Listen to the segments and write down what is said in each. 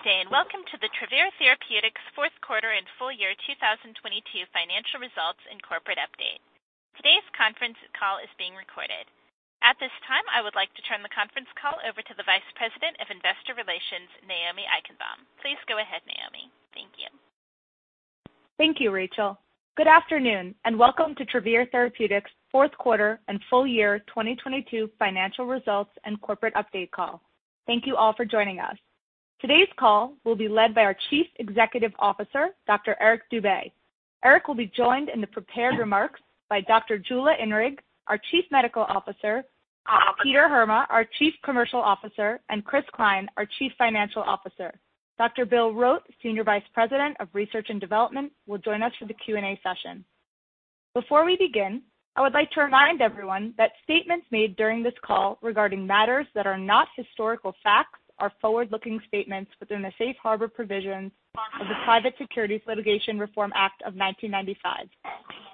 Good day, and welcome to the Travere Therapeutics fourth quarter and full year 2022 financial results and corporate update. Today's conference call is being recorded. At this time, I would like to turn the conference call over to the Vice President of Investor Relations, Naomi Eichenbaum. Please go ahead, Naomi. Thank you. Thank you, Rachel. Good afternoon, welcome to Travere Therapeutics fourth quarter and full year 2022 financial results and corporate update call. Thank you all for joining us. Today's call will be led by our Chief Executive Officer, Dr. Eric Dube. Eric will be joined in the prepared remarks by Dr. Jula Inrig, our Chief Medical Officer, Peter Heerma, our Chief Commercial Officer, and Chris Cline, our Chief Financial Officer. Dr. Bill Rote, Senior Vice President of Research and Development, will join us for the Q&A session. Before we begin, I would like to remind everyone that statements made during this call regarding matters that are not historical facts are forward-looking statements within the Safe Harbor Provisions of the Private Securities Litigation Reform Act of 1995.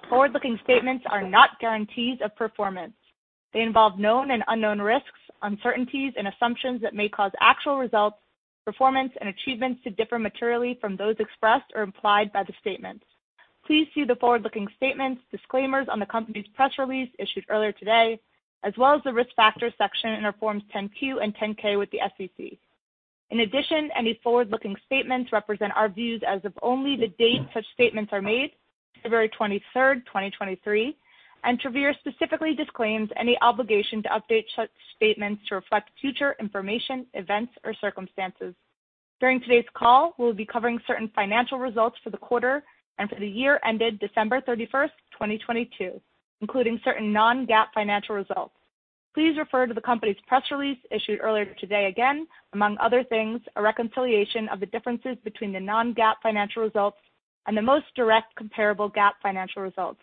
Forward-looking statements are not guarantees of performance. They involve known and unknown risks, uncertainties, and assumptions that may cause actual results, performance, and achievements to differ materially from those expressed or implied by the statements. Please see the forward-looking statements disclaimers on the company's press release issued earlier today, as well as the Risk Factors section in our forms 10-Q and 10-K with the SEC. Any forward-looking statements represent our views as of only the date such statements are made, February 23rd, 2023, and Travere specifically disclaims any obligation to update such statements to reflect future information, events, or circumstances. During today's call, we'll be covering certain financial results for the quarter and for the year ended December 31st, 2022, including certain non-GAAP financial results. Please refer to the company's press release issued earlier today again, among other things, a reconciliation of the differences between the non-GAAP financial results and the most direct comparable GAAP financial results.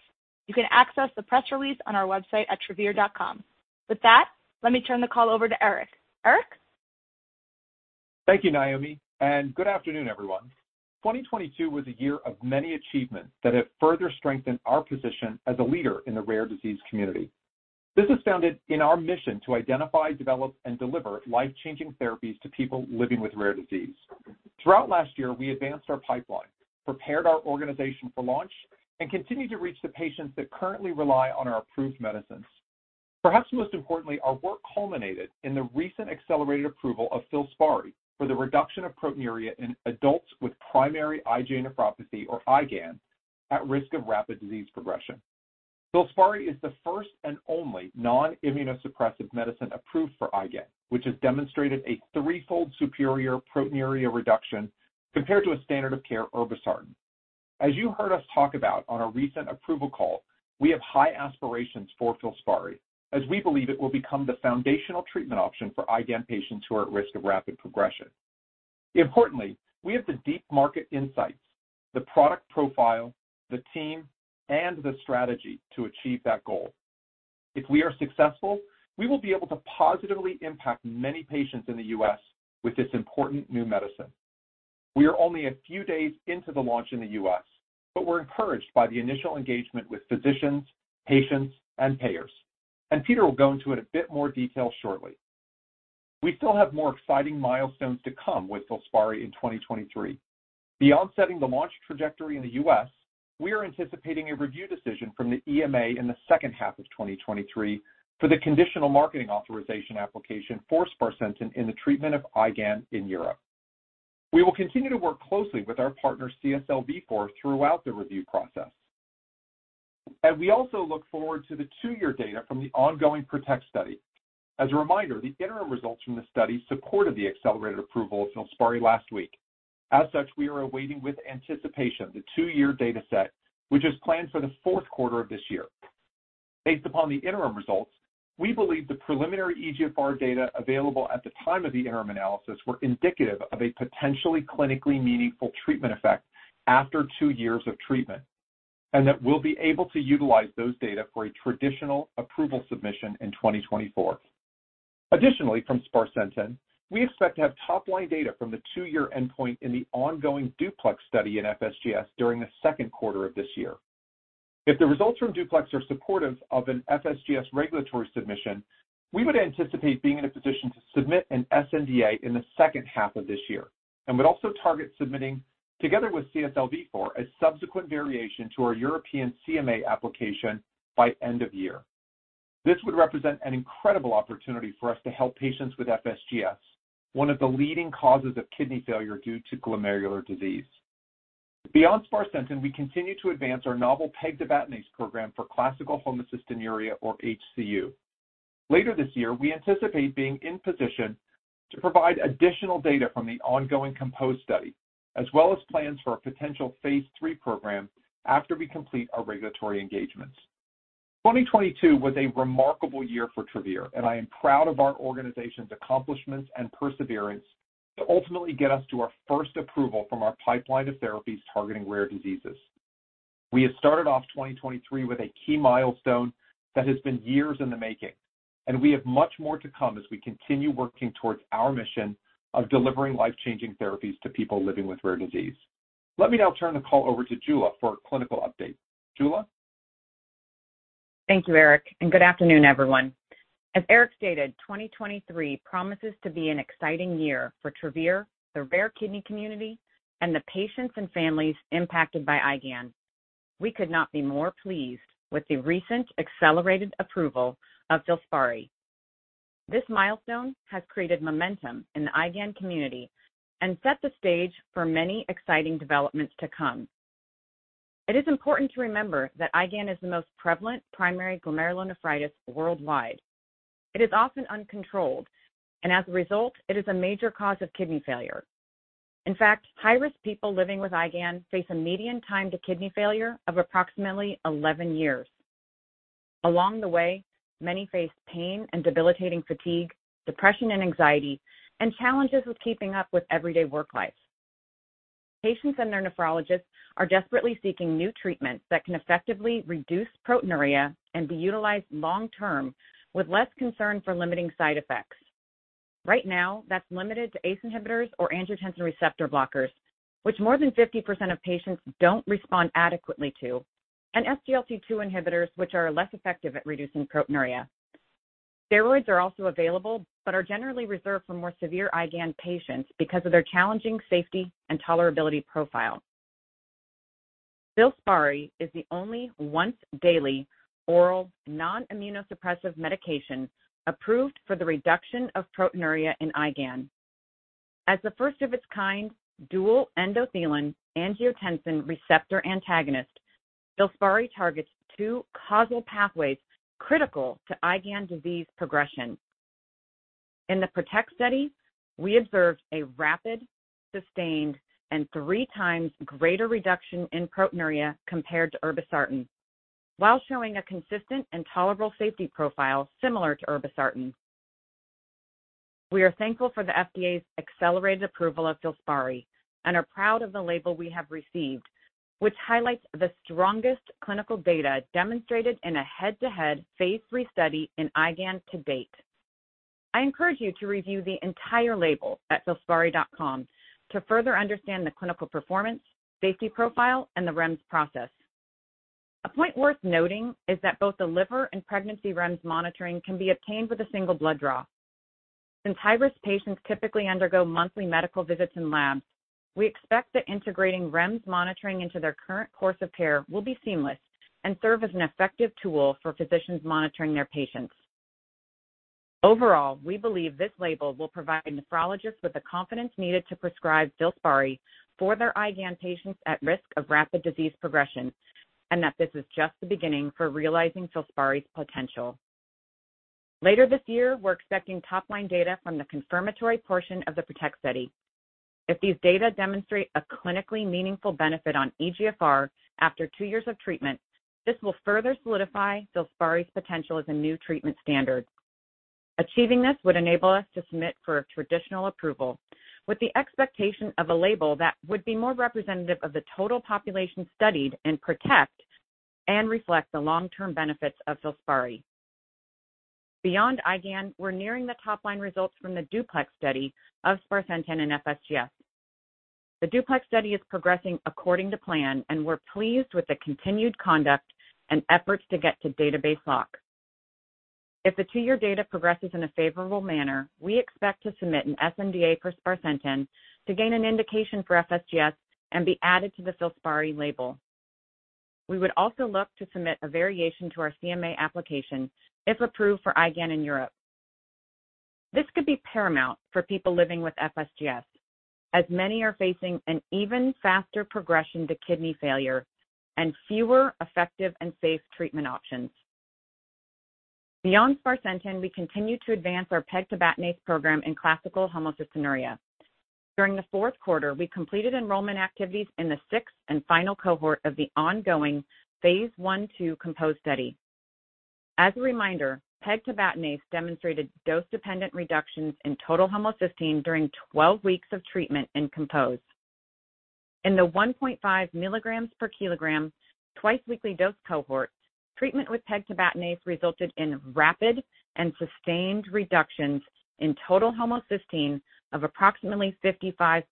You can access the press release on our website at travere.com. With that, let me turn the call over to Eric. Eric? Thank you, Naomi, and good afternoon, everyone. 2022 was a year of many achievements that have further strengthened our position as a leader in the rare disease community. This is founded in our mission to identify, develop, and deliver life-changing therapies to people living with rare disease. Throughout last year, we advanced our pipeline, prepared our organization for launch, and continued to reach the patients that currently rely on our approved medicines. Perhaps most importantly, our work culminated in the recent accelerated approval of FILSPARI for the reduction of proteinuria in adults with primary IgA Nephropathy or IgAN at risk of rapid disease progression. FILSPARI is the first and only non-immunosuppressive medicine approved for IgAN, which has demonstrated a threefold superior proteinuria reduction compared to a standard of care irbesartan. As you heard us talk about on our recent approval call, we have high aspirations for FILSPARI, as we believe it will become the foundational treatment option for IgAN patients who are at risk of rapid progression. Importantly, we have the deep market insights, the product profile, the team, and the strategy to achieve that goal. If we are successful, we will be able to positively impact many patients in the U.S. with this important new medicine. We are only a few days into the launch in the U.S., but we're encouraged by the initial engagement with physicians, patients, and payers, and Peter will go into it a bit more detail shortly. We still have more exciting milestones to come with FILSPARI in 2023. Beyond setting the launch trajectory in the U.S., we are anticipating a review decision from the EMA in the second half of 2023 for the conditional marketing authorization application for sparsentan in the treatment of IgAN in Europe. We will continue to work closely with our partner CSL Vifor throughout the review process. We also look forward to the two-year data from the ongoing PROTECT study. As a reminder, the interim results from the study supported the accelerated approval of FILSPARI last week. As such, we are awaiting with anticipation the two-year data set, which is planned for the fourth quarter of this year. Based upon the interim results, we believe the preliminary eGFR data available at the time of the interim analysis were indicative of a potentially clinically meaningful treatment effect after two years of treatment, and that we'll be able to utilize those data for a traditional approval submission in 2024. From sparsentan, we expect to have top-line data from the two-year endpoint in the ongoing DUPLEX study in FSGS during the second quarter of this year. If o the results from DUPLEX are supportive of an FSGS regulatory submission, we would anticipate being in a position to submit an sNDA in the second half of this year, and would also target submitting together with CSL Vifor a subsequent variation to our European CMA application by end of year. This would represent an incredible opportunity for us to help patients with FSGS, one of the leading causes of kidney failure due to glomerular disease. Beyond sparsentan, we continue to advance our novel pegtibatinase program for classical homocystinuria or HCU. Later this year, we anticipate being in position to provide additional data from the ongoing COMPOSE study, as well as plans for a potential phase III program after we complete our regulatory engagements. 2022 was a remarkable year for Travere, and I am proud of our organization's accomplishments and perseverance to ultimately get us to our first approval from our pipeline of therapies targeting rare diseases. We have started off 2023 with a key milestone that has been years in the making, and we have much more to come as we continue working towards our mission of delivering life-changing therapies to people living with rare disease. Let me now turn the call over to Jula for a clinical update. Jula? Thank you, Eric. Good afternoon, everyone. As Eric stated, 2023 promises to be an exciting year for Travere, the rare kidney community, and the patients and families impacted by IgAN. We could not be more pleased with the recent accelerated approval of FILSPARI. This milestone has created momentum in the IgAN community and set the stage for many exciting developments to come. It is important to remember that IgAN is the most prevalent primary glomerulonephritis worldwide. It is often uncontrolled. As a result, it is a major cause of kidney failure. In fact, high-risk people living with IgAN face a median time to kidney failure of approximately 11 years. Along the way, many face pain and debilitating fatigue, depression and anxiety, and challenges with keeping up with everyday work life. Patients and their nephrologists are desperately seeking new treatments that can effectively reduce proteinuria and be utilized long term with less concern for limiting side effects. Right now, that's limited to ACE inhibitors or angiotensin receptor blockers, which more than 50% of patients don't respond adequately to, and SGLT2 inhibitors, which are less effective at reducing proteinuria. Steroids are also available, but are generally reserved for more severe IgAN patients because of their challenging safety and tolerability profile. FILSPARI is the only once-daily oral non-immunosuppressive medication approved for the reduction of proteinuria in IgAN. As the first of its kind dual endothelin angiotensin receptor antagonist, FILSPARI targets two causal pathways critical to IgAN disease progression. In the PROTECT study, we observed a rapid, sustained, and three times greater reduction in proteinuria compared to irbesartan while showing a consistent and tolerable safety profile similar to irbesartan. We are thankful for the FDA's accelerated approval of FILSPARI and are proud of the label we have received, which highlights the strongest clinical data demonstrated in a head-to-head phase III study in IgAN to date. I encourage you to review the entire label at filspari.com to further understand the clinical performance, safety profile, and the REMS process. A point worth noting is that both the liver and pregnancy REMS monitoring can be obtained with a single blood draw. Since high-risk patients typically undergo monthly medical visits and labs, we expect that integrating REMS monitoring into their current course of care will be seamless and serve as an effective tool for physicians monitoring their patients. Overall, we believe this label will provide nephrologists with the confidence needed to prescribe FILSPARI for their IgAN patients at risk of rapid disease progression and that this is just the beginning for realizing FILSPARI's potential. Later this year, we're expecting top-line data from the confirmatory portion of the PROTECT study. If these data demonstrate a clinically meaningful benefit on eGFR after two years of treatment, this will further solidify FILSPARI's potential as a new treatment standard. Achieving this would enable us to submit for a traditional approval with the expectation of a label that would be more representative of the total population studied in PROTECT and reflect the long-term benefits of FILSPARI. Beyond IgAN, we're nearing the top-line results from the DUPLEX study of sparsentan and FSGS. The DUPLEX study is progressing according to plan, and we're pleased with the continued conduct and efforts to get to database lock. If the two-year data progresses in a favorable manner, we expect to submit an sNDA for sparsentan to gain an indication for FSGS and be added to the FILSPARI label. We would also look to submit a variation to our CMA application, if approved for IgAN in Europe. This could be paramount for people living with FSGS, as many are facing an even faster progression to kidney failure and fewer effective and safe treatment options. Beyond sparsentan, we continue to advance our pegtibatinase program in classical homocystinuria. During the fourth quarter, we completed enrollment activities in the sixth and final cohort of the ongoing phase 1/2 COMPOSE study. As a reminder, pegtibatinase demonstrated dose-dependent reductions in total homocysteine during 12 weeks of treatment in COMPOSE. In the 1.5 milligrams per kilogram twice-weekly dose cohort, treatment with pegtibatinase resulted in rapid and sustained reductions in total homocysteine of approximately 55%,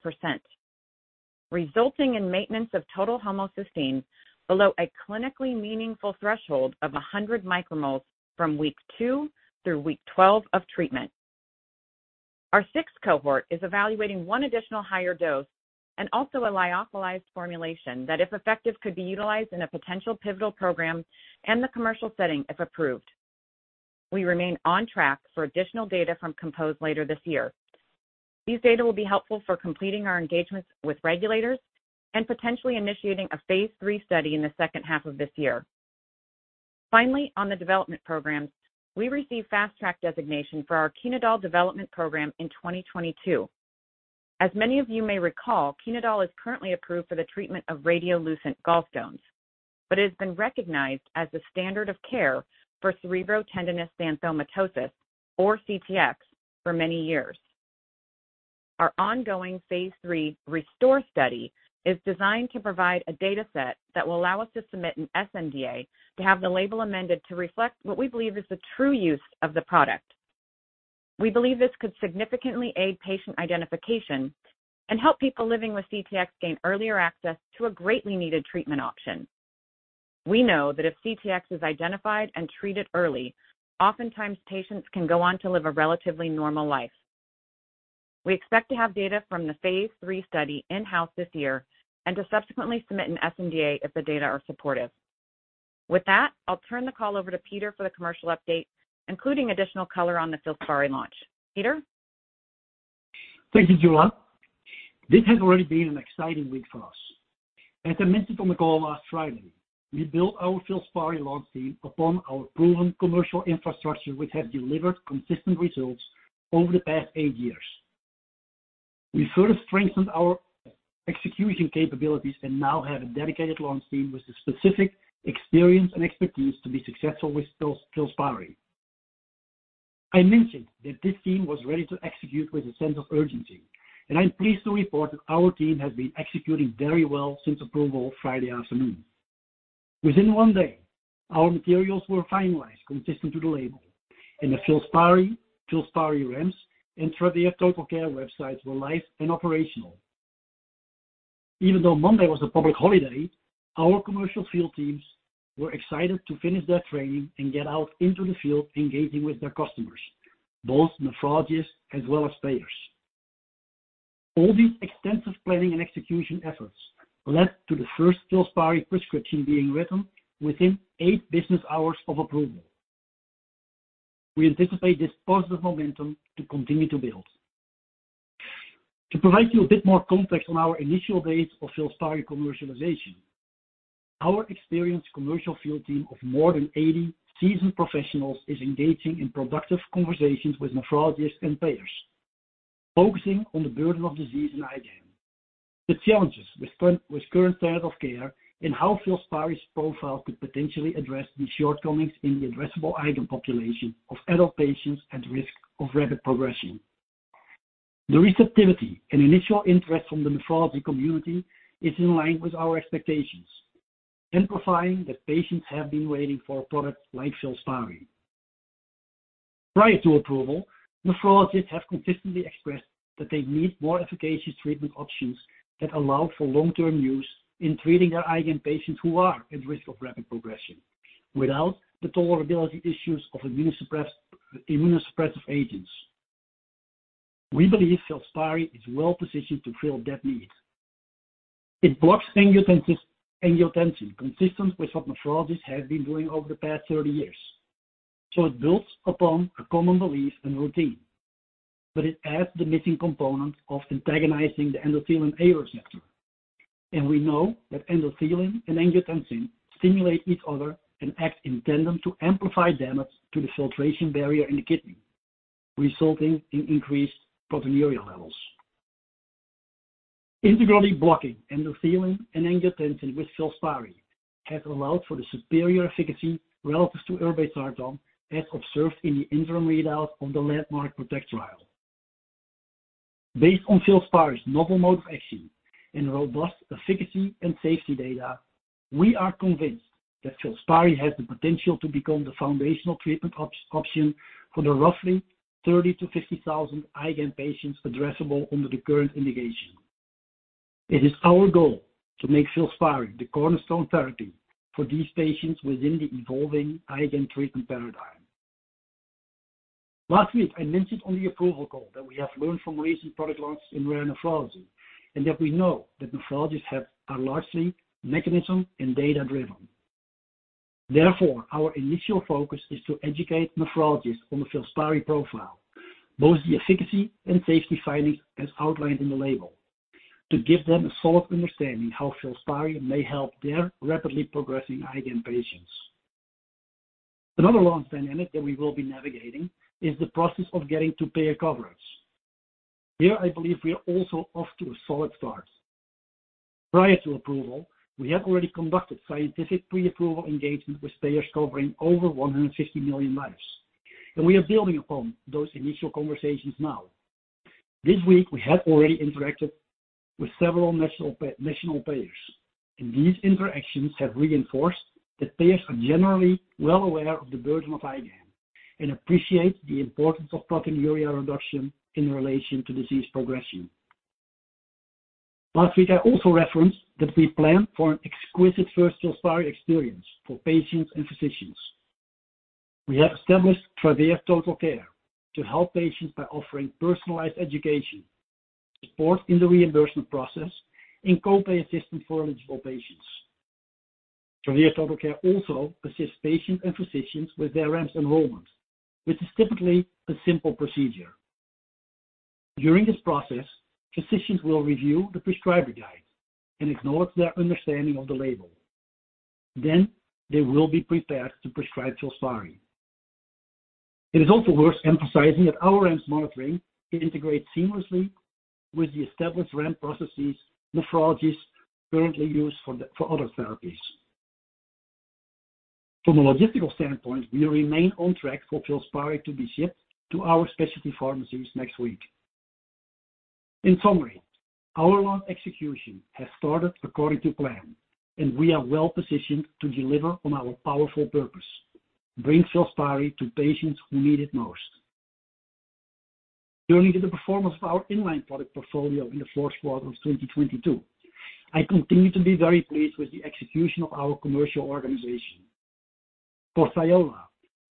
resulting in maintenance of total homocysteine below a clinically meaningful threshold of 100 micromoles from week two through week 12 of treatment. Our sixth cohort is evaluating one additional higher dose and also a lyophilized formulation that, if effective, could be utilized in a potential pivotal program and the commercial setting, if approved. We remain on track for additional data from COMPOSE later this year. These data will be helpful for completing our engagements with regulators and potentially initiating a phase III study in the second half of this year. On the development program, we received Fast Track designation for our KINEDAL development program in 2022. As many of you may recall, KINEDAL is currently approved for the treatment of radiolucent gallstones. It has been recognized as the standard of care for cerebrotendinous xanthomatosis, or CTX, for many years. Our ongoing phase III RESTORE study is designed to provide a data set that will allow us to submit an sNDA to have the label amended to reflect what we believe is the true use of the product. We believe this could significantly aid patient identification and help people living with CTX gain earlier access to a greatly needed treatment option. We know that if CTX is identified and treated early, oftentimes patients can go on to live a relatively normal life. We expect to have data from the phase III study in-house this year. To subsequently submit an sNDA if the data are supportive. With that, I'll turn the call over to Peter for the commercial update, including additional color on the FILSPARI launch. Peter? Thank you, Jula. This has already been an exciting week for us. As I mentioned on the call last Friday, we built our FILSPARI launch team upon our proven commercial infrastructure, which has delivered consistent results over the past 8 years. We further strengthened our execution capabilities and now have a dedicated launch team with the specific experience and expertise to be successful with FILSPARI. I mentioned that this tam was ready to execute with a sense of urgency, and I'm pleased to report that our team has been executing very well since approval Friday afternoon. Within one day, our materials were finalized consistent to the label and the FILSPARI REMS and Travere TotalCare websites were live and operational. Even though Monday was a public holiday, our commercial field teams were excited to finish their training and get out into the field, engaging with their customers, both nephrologists as well as payers. All these extensive planning and execution efforts led to the first FILSPARI prescription beng written within eight business hours of approval. We anticipate this positive momentum to continue to build. To provide you a bit more context on our initial days of FILSPARI commercialization, our experienced commercial field team of more than 80 seasoned professionals is engaging in productive conversations with nephrologists and payers, focusing on the burden of disease and IgAN, the challenges with current standard of care, and how FILSPARI's profile could potentially address these shortcomings in the addressable IgAN population of adult patients at risk of rapid progression. The receptivity and initial interest from the nephrology community is in line with our expectations, amplifying that patients have been waiting for a product like FILSPARI. Prior to approval, nephrologists have consistently expressed that they need more efficacious treatment options that allow for long-term use in treating their IgAN patients who are at risk of rapid progression without the tolerability issues of immunosuppressive agents. We believe FILSPARI is well-positioned to fill that need. It blocks angiotensin, consistent with what nephrologists have been doing over the past 30 years. It builds upon a common belief and routine, but it adds the missing component of antagonizing the endothelin A receptor. We know that endothelin and angiotensin stimulate each other and act in tandem to amplify damage to the filtration barrier in the kidney, resulting in increased proteinuria levels. Integrally blocking endothelin and angiotensin with FILSPARI has allowed for the superior efficacy relative to irbesartan, as observed in the interim readout of the landmark PROTECT trial. Based on FILSPARI's novel mode of action and robust efficacy and safety data, we are convinced that FILSPARI has the potential to become the foundational treatment option for the roughly 30,000-50,000 IgAN patients addressable under the current indication. It is our goal to make FILSPARI the cornerstone therapy for these patients within the evolving IgAN treatment paradigm. Last week, I mentioned on the approval call that we have learned from recent product launches in rare nephrology and that we know that nephrologists are largely mechanism and data-driven. Therefore, our initial focus is to educate nephrologists on the FILSPARI profile, both the efficacy and safety findings as outlined in the label to give them a solid understanding how FILSPARI may help their rapidly progressing IgAN patients. Another launch dynamic that we will be navigating is the process of getting to payer coverage. Here, I believe we are also off to a solid start. Prior to approval, we had already conducted scientific pre-approval engagement with payers covering over 150 million lives, and we are building upon those initial conversations now. This week, we have already interacted with several national payers, and these interactions have reinforced that payers are generally well aware of the burden of IgAN and appreciate the importance of proteinuria reduction in relation to disease progression. Last week, I also referenced that we plan for an exquisite first FILSPARI experience for patients and physicians. We have established Travere TotalCare to help patients by offering personalized education, support in the reimbursement process, and copay assistance for eligible patients. Travere TotalCare also assists patients and physicians with their REMS enrollment, which is typically a simple procedure. During this process, physicians will review the prescriber guide and acknowledge their understanding of the label. They will be prepared to prescribe FILSPARI. It is also worth emphasizing that our REMS monitoring can integrate seamlessly with the established REMS processes nephrologists currently use for other therapies. From a logistical standpoint, we remain on track for FILSPARI to be shipped to our specialty pharmacies next week. In summary, our launch execution has started according to plan and we are well-positioned to deliver on our powerful purpose, bring FILSPARI to patients who need it most. Turning to the performance of our in-line product portfolio in the fourth quarter of 2022, I continue to be very pleased with the execution of our commercial organization. For THIOLA,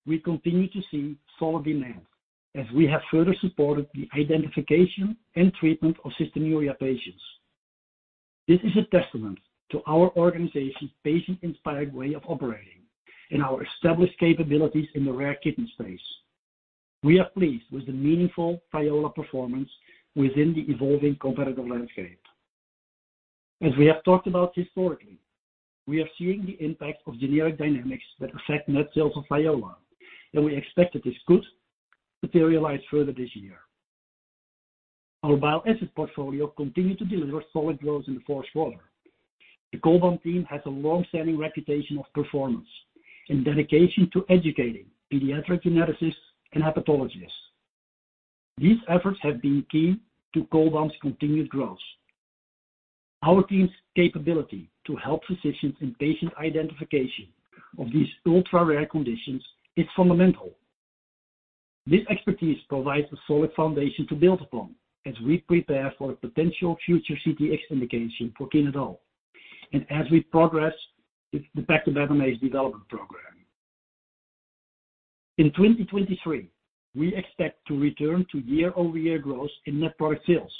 we continue to see solid demand as we have further supported the identification and treatment of cystinuria patients. This is a testament to our organization's patient-inspired way of operating and our established capabilities in the rare kidney space. We are pleased with the meaningful THIOLA performance within the evolving competitive landscape. As we have talked about historically, we are seeing the impact of generic dynamics that affect net sales of THIOLA, we expect that this could materialize further this year. Our bile acid portfolio continued to deliver solid growth in the fourth quarter. The Cholbam team has a long-standing reputation of performance and dedication to educating pediatric geneticists and hepatologists. These efforts have been key to Cholbam's continued growth. Our team's capability to help physicians in patient identification of these ultra-rare conditions is fundamental. This expertise provides a solid foundation to build upon as we prepare for a potential future CTX indication for KINEDAL and as we progress with the pegtibatinase development program. In 2023, we expect to return to year-over-year growth in net product sales.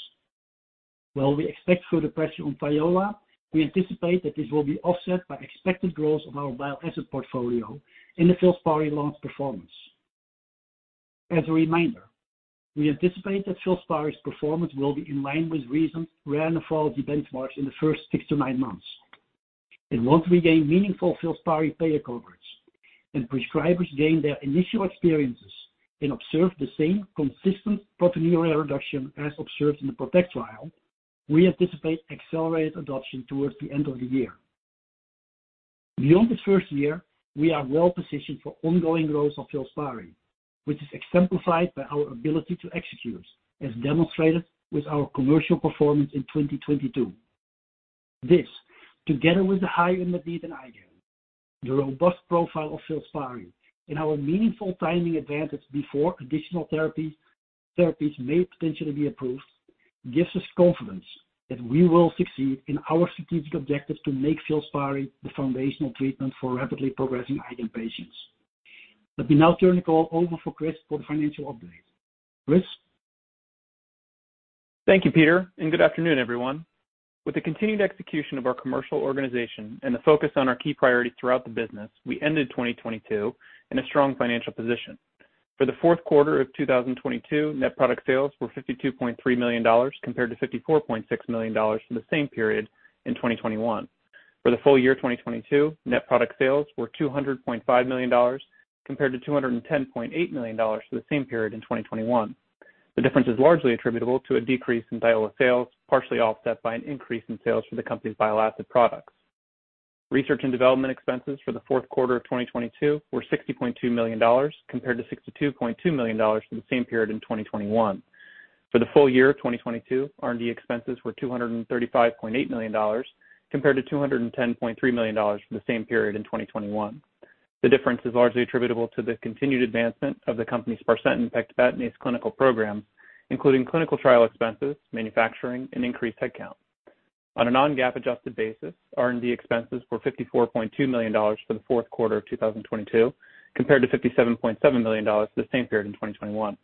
While we expect further pressure on Vyola, we anticipate that this will be offset by expected growth of our bio acid portfolio in the FILSPARI launch performance. As a reminder, we anticipate that FILSPARI's performance will be in line with recent rare nephrology benchmarks in the first six to nine months. Once we gain meaningful FILSPARI payer coverage and prescribers gain their initial experiences and observe the same consistent proteinuria reduction as observed in the PROTECT trial, we anticipate accelerated adoption towards the end of the year. Beyond the first year, we are well-positioned for ongoing growth of FILSPARI, which is exemplified by our ability to execute, as demonstrated with our commercial performance in 2022. This, together with the high unmet need in IgAN, the robust profile of FILSPARI, and our meaningful timing advantage before additional therapies may potentially be approved, gives us confidence that we will succeed in our strategic objective to make FILSPARI the foundational treatment for rapidly progressing IgAN patients. Let me now turn the call over for Chris for the financial update. Chris? Thank you, Peter. Good afternoon, everyone. With the continued execution of our commercial organization and the focus on our key priorities throughout the business, we ended 2022 in a strong financial position. For the fourth quarter of 2022, net product sales were $52.3 million compared to $54.6 million for the same period in 2021. For the full year 2022, net product sales were $200.5 million, compared to $210.8 million for the same period in 2021. The difference is largely attributable to a decrease in THIOLA sales, partially offset by an increase in sales for the company's bile acid products. Research and development expenses for the fourth quarter of 2022 were $60.2 million, compared to $62.2 million for the same period in 2021. For the full year of 2022, R&D expenses were $235.8 million, compared to $210.3 million for the same period in 2021. The difference is largely attributable to the continued advancement of the company's sparsentan and pegtibatinase clinical programs, including clinical trial expenses, manufacturing, and increased headcount. On a non-GAAP adjusted basis, R&D expenses were $54.2 million for the fourth quarter of 2022, compared to $57.7 million for the same period in 2021.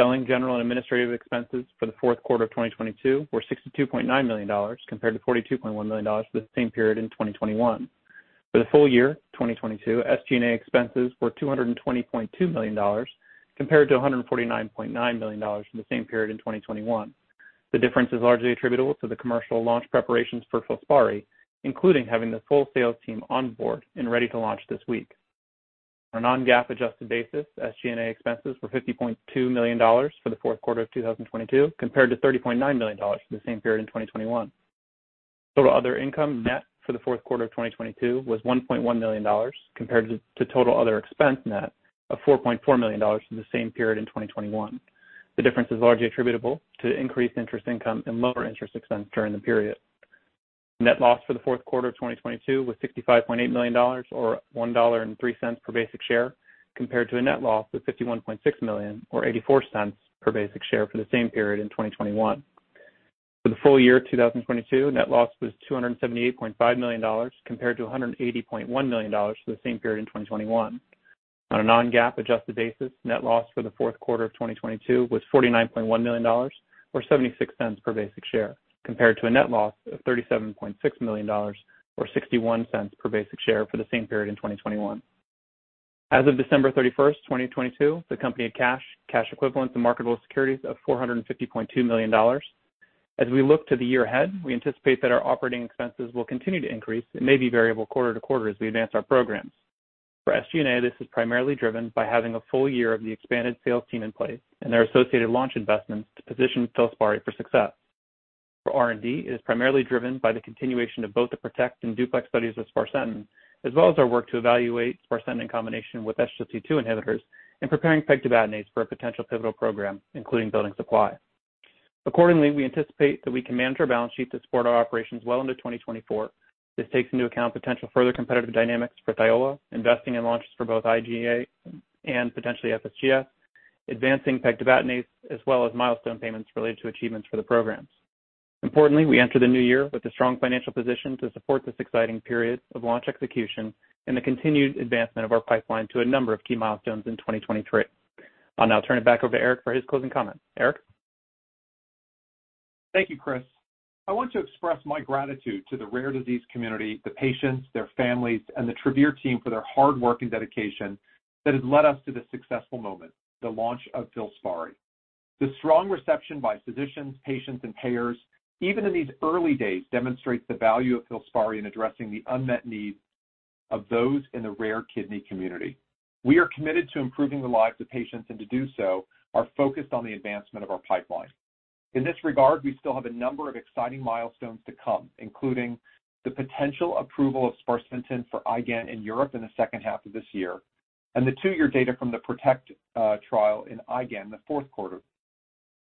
Selling, general, and administrative expenses for the fourth quarter of 2022 were $62.9 million, compared to $42.1 million for the same period in 2021. For the full year 2022, SG&A expenses were $220.2 million, compared to $149.9 million from the same period in 2021. The difference is largely attributable to the commercial launch preparations for FILSPARI, including having the full sales team on board and ready to launch this week. On a non-GAAP adjusted basis, SG&A expenses were $50.2 million for the fourth quarter of 2022, compared to $30.9 million for the same period in 2021. Total other income net for the fourth quarter of 2022 was $1.1 million, compared to total other expense net of $4.4 million for the same period in 2021. The difference is largely attributable to increased interest income and lower interest expense during the period. Net loss for the fourth quarter of 2022 was $65.8 million, or $1.03 per basic share, compared to a net loss of $51.6 million or $0.84 per basic share for the same period in 2021. For the full year 2022, net loss was $278.5 million compared to $180.1 million for the same period in 2021. On a non-GAAP adjusted basis, net loss for the fourth quarter of 2022 was $49.1 million, or $0.76 per basic share, compared to a net loss of $37.6 million or $0.61 per basic share for the same period in 2021. As of December 31, 2022, the company had cash equivalents, and marketable securities of $450.2 million. As we look to the year ahead, we anticipate that our operating expenses will continue to increase and may be variable quarter to quarter as we advance our programs. For SG&A, this is primarily driven by having a full year of the expanded sales team in place and their associated launch investments to position FILSPARI for success. For R&D, it is primarily driven by the continuation of both the PROTECT and DUPLEX studies with sparsentan, as well as our work to evaluate sparsentan in combination with SGLT2 inhibitors and preparing pegtibatinase for a potential pivotal program, including building supply. We anticipate that we can manage our balance sheet to support our operations well into 2024. This takes into account potential further competitive dynamics for THIOLA, investing in launches for both IgAN and potentially FSGS, advancing pegtibatinase, as well as milestone payments related to achievements for the programs. We enter the new year with a strong financial position to support this exciting period of launch execution and the continued advancement of our pipeline to a number of key milestones in 2023. I'll now turn it back over to Eric for his closing comments. Eric? Thank you, Chris. I want to express my gratitude to the rare disease community, the patients, their families, and the Travere team for their hard work and dedication that has led us to this successful moment, the launch of FILSPARI. The strong reception by physicians, patients, and payers, even in these early days, demonstrates the value of FILSPARI in addressing the unmet needs of those in the rare kidney community. We are committed to improving the lives of patients. To do so are focused on the advancement of our pipeline. In this regard, we still have a number of exciting milestones to come, including the potential approval of sparsentan for IgAN in Europe in the second half of this year and the 2-year data from the PROTECT trial in IgAN in the fourth quarter.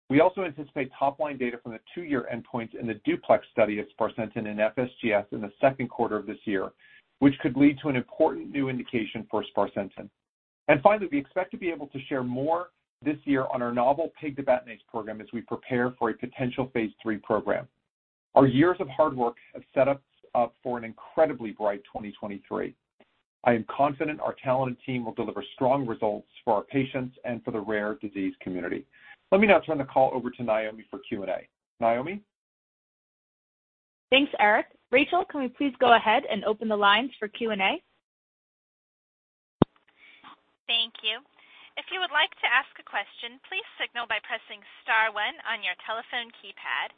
We also anticipate top-line data from the two-year endpoints in the DUPLEX study of sparsentan in FSGS in the second quarter of this year, which could lead to an important new indication for sparsentan. Finally, we expect to be able to share more this year on our novel pegtibatinase program as we prepare for a potential phase three program. Our years of hard work have set us up for an incredibly bright 2023. I am confident our talented team will deliver strong results for our patients and for the rare disease community. Let me now turn the call over to Naomi for Q&A. Naomi? Thanks, Eric. Rachel, can we please go ahead and open the lines for Q&A? Thank you. If you would like to ask a question, please signal by pressing star 1 on your telephone keypad.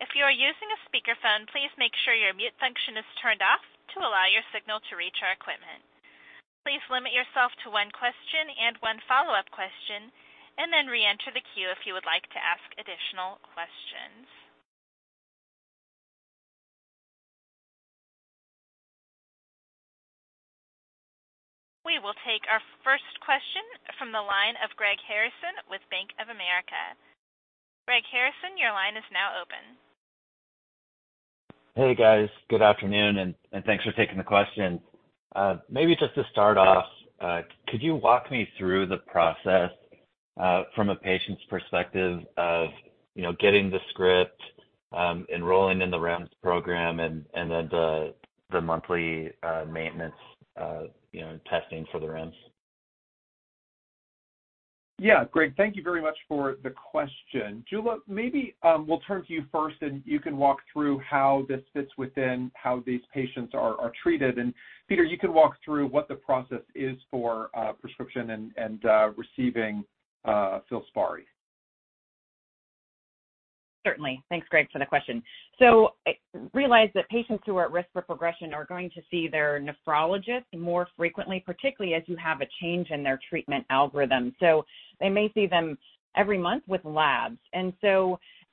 If you are using a speakerphone, please make sure your mute function is turned off to allow your signal to reach our equipment. Please limit yourself to 1 question and 1 follow-up question, and then reenter the queue if you would like to ask additional questions. We will take our first question from the line of Greg Harrison with Bank of America. Greg Harrison, your line is now open. Hey, guys. Good afternoon, and thanks for taking the question. Maybe just to start off, could you walk me through the process, from a patient's perspective of, you know, getting the script, enrolling in the REMS program and then the monthly maintenance, you know, testing for the REMS? Yeah. Greg, thank you very much for the question. Jula, maybe, we'll turn to you first, and you can walk through how this fits within how these patients are treated. Peter, you can walk through what the process is for prescription and receiving FILSPARI. Certainly. Thanks, Greg, for the question. Realize that patients who are at risk for progression are going to see their nephrologist more frequently, particularly as you have a change in their treatment algorithm. They may see them every month with labs.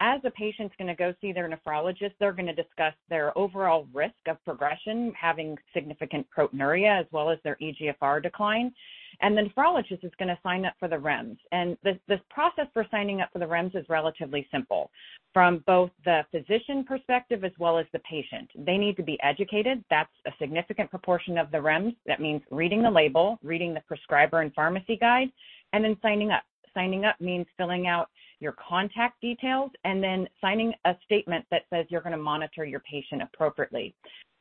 As a patient's going to go see their nephrologist, they're going to discuss their overall risk of progression, having significant proteinuria as well as their eGFR decline. The nephrologist is going to sign up for the REMS. This process for signing up for the REMS is relatively simple. From both the physician perspective as well as the patient, they need to be educated. That's a significant proportion of the REMS. That means reading the label, reading the prescriber and pharmacy guide, and then signing up. Signing up means filling out your contact details and then signing a statement that says you're gonna monitor your patient appropriately.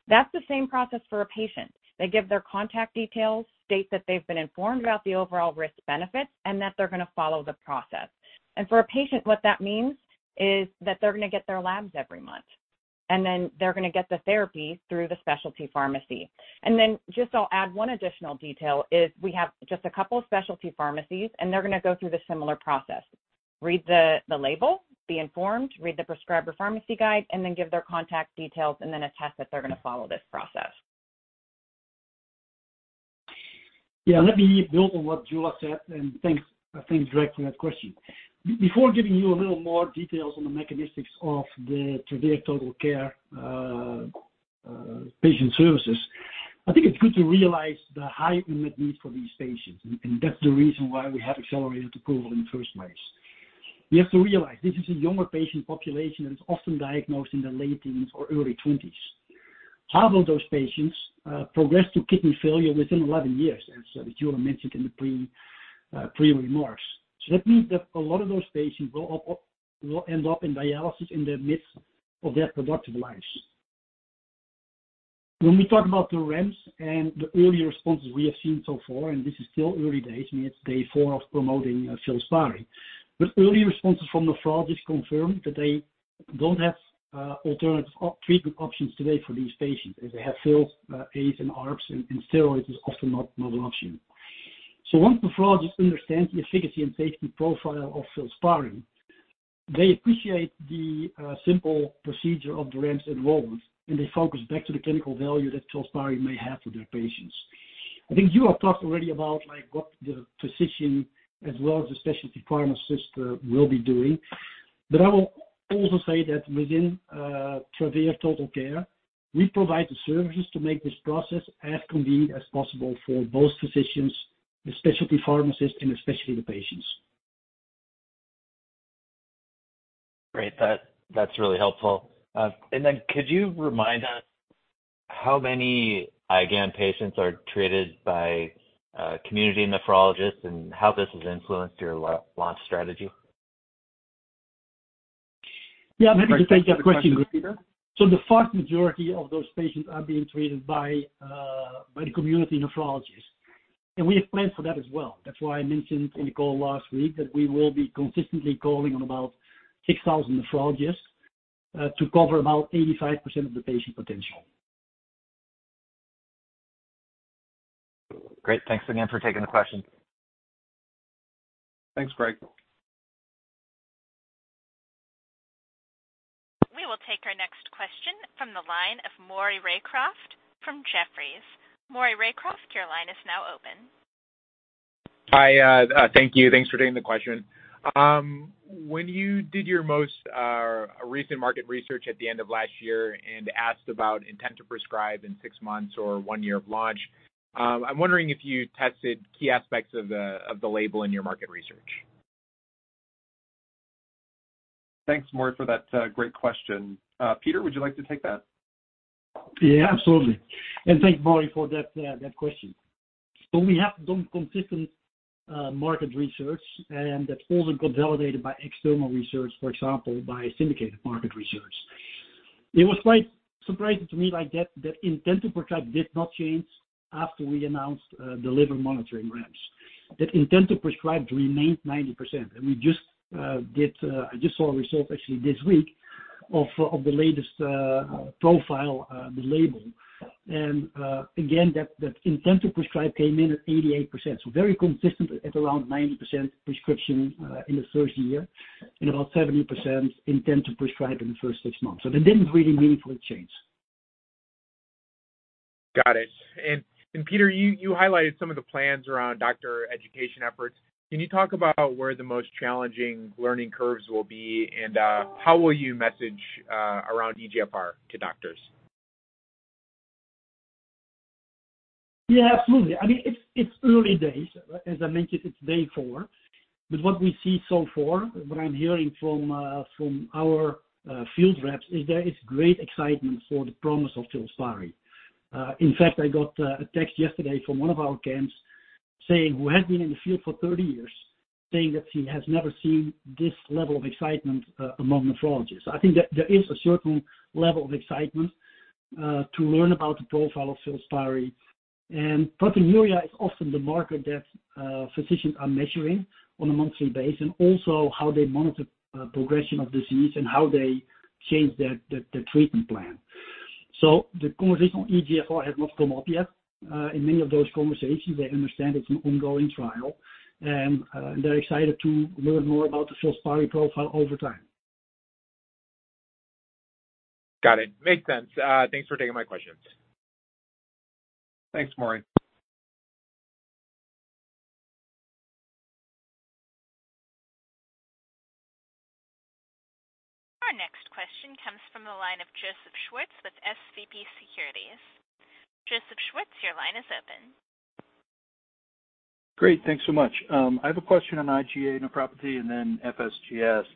That's the same process for a patient. They give their contact details, state that they've been informed about the overall risk benefits and that they're gonna follow the process. For a patient, what that means is that they're gonna get their labs every month, and then they're gonna get the therapy through the specialty pharmacy. Just I'll add one additional detail, is we have just a couple of specialty pharmacies, and they're gonna go through the similar process. Read the label, be informed, read the prescriber pharmacy guide, and then give their contact details and then attest that they're gonna follow this process. Yeah, let me build on what Jula said, and thanks, Greg, for that question. Before giving you a little more details on the mechanisms of the Travere TotalCare patient services, I think it's good to realize the high unmet need for these patients, and that's the reason why we have accelerated approval in the first place. You have to realize this is a younger patient population and it's often diagnosed in their late teens or early 20s. Half of those patients progress to kidney failure within 11 years, as Jula mentioned in the pre remarks. That means that a lot of those patients will end up in dialysis in the midst of their productive lives. When we talk about the REMS and the early responses we have seen so far, and this is still early days, I mean, it's day four of promoting FILSPARI. Early responses from nephrologists confirm that they don't have alternative treatment options today for these patients, as they have PHils, ACE and ARBs, and steroids is often not an option. Once nephrologists understand the efficacy and safety profile of FILSPARI, they appreciate the simple procedure of the REMS enrollment, and they focus back to the clinical value that FILSPARI may have for their patients. I think you have talked already about like what the physician as well as the specialty pharmacist will be doing. I will also say that within, Travere TotalCare, we provide the services to make this process as convenient as possible for both physicians, the specialty pharmacist and especially the patients. Great. That's really helpful. Then could you remind us how many IgAN patients are treated by community nephrologists and how this has influenced your launch strategy? Maybe to take that question, the vast majority of those patients are being treated by the community nephrologists. We have planned for that as well. That's why I mentioned in the call last week that we will be consistently calling on about 6,000 nephrologists to cover about 85% of the patient potential. Great. Thanks again for taking the question. Thanks, Greg. We will take our next question from the line of Maury Raycroft from Jefferies. Maury Raycroft, your line is now open. Hi. Thank you. Thanks for taking the question. When you did your most recent market research at the end of last year and asked about intent to prescribe in six months or one year of launch, I'm wondering if you tested key aspects of the label in your market research? Thanks, Maury, for that great question. Peter, would you like to take that? Yeah, absolutely. Thank Maury for that question. We have done consistent market research, and that's also been validated by external research, for example, by syndicated market research. It was quite surprising to me like that the intent to prescribe did not change after we announced the liver monitoring REMS. The intent to prescribe remained 90%. We just did, I just saw a result actually this week of the latest profile, the label. Again, that intent to prescribe came in at 88%. Very consistent at around 90% prescription in the 1st year and about 70% intent to prescribe in the 1st six months. There didn't really meaningful change. Got it. Peter, you highlighted some of the plans around doctor education efforts. Can you talk about where the most challenging learning curves will be and how will you message around eGFR to doctors? Yeah, absolutely. I mean, it's early days. As I mentioned, it's day four. What we see so far, what I'm hearing from our field reps is there is great excitement for the promise of FILSPARI. In fact, I got a text yesterday from one of our KAMs saying, who has been in the field for 30 years, saying that he has never seen this level of excitement among nephrologists. I think that there is a certain level of excitement to learn about the profile of FILSPARI. Proteinuria is often the marker that physicians are measuring on a monthly basis, and also how they monitor progression of disease and how they change the treatment plan. The conversation on eGFR has not come up yet in many of those conversations. They understand it's an ongoing trial, and they're excited to learn more about the FILSPARI profile over time. Got it. Makes sense. Thanks for taking my question. Thanks, Maury. Our next question comes from the line of Joseph Schwartz with SVB Securities. Joseph Schwartz, your line is open.. Great. Thanks so much. I have a question on IgA nephropathy and then FSGS.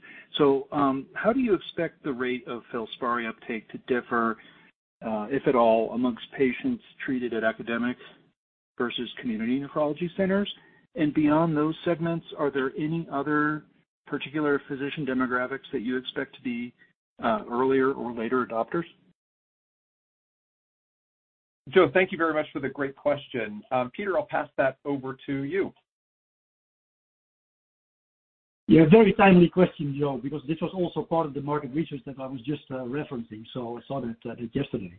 How do you expect the rate of FILSPARI uptake to differ, if at all, amongst patients treated at academics versus community nephrology centers? Beyond those segments, are there any other particular physician demographics that you expect to be earlier or later adopters? Joe, thank you very much for the great question. Peter, I'll pass that over to you. Very timely question, Joe, because this was also part of the market research that I was just referencing, so I saw that yesterday.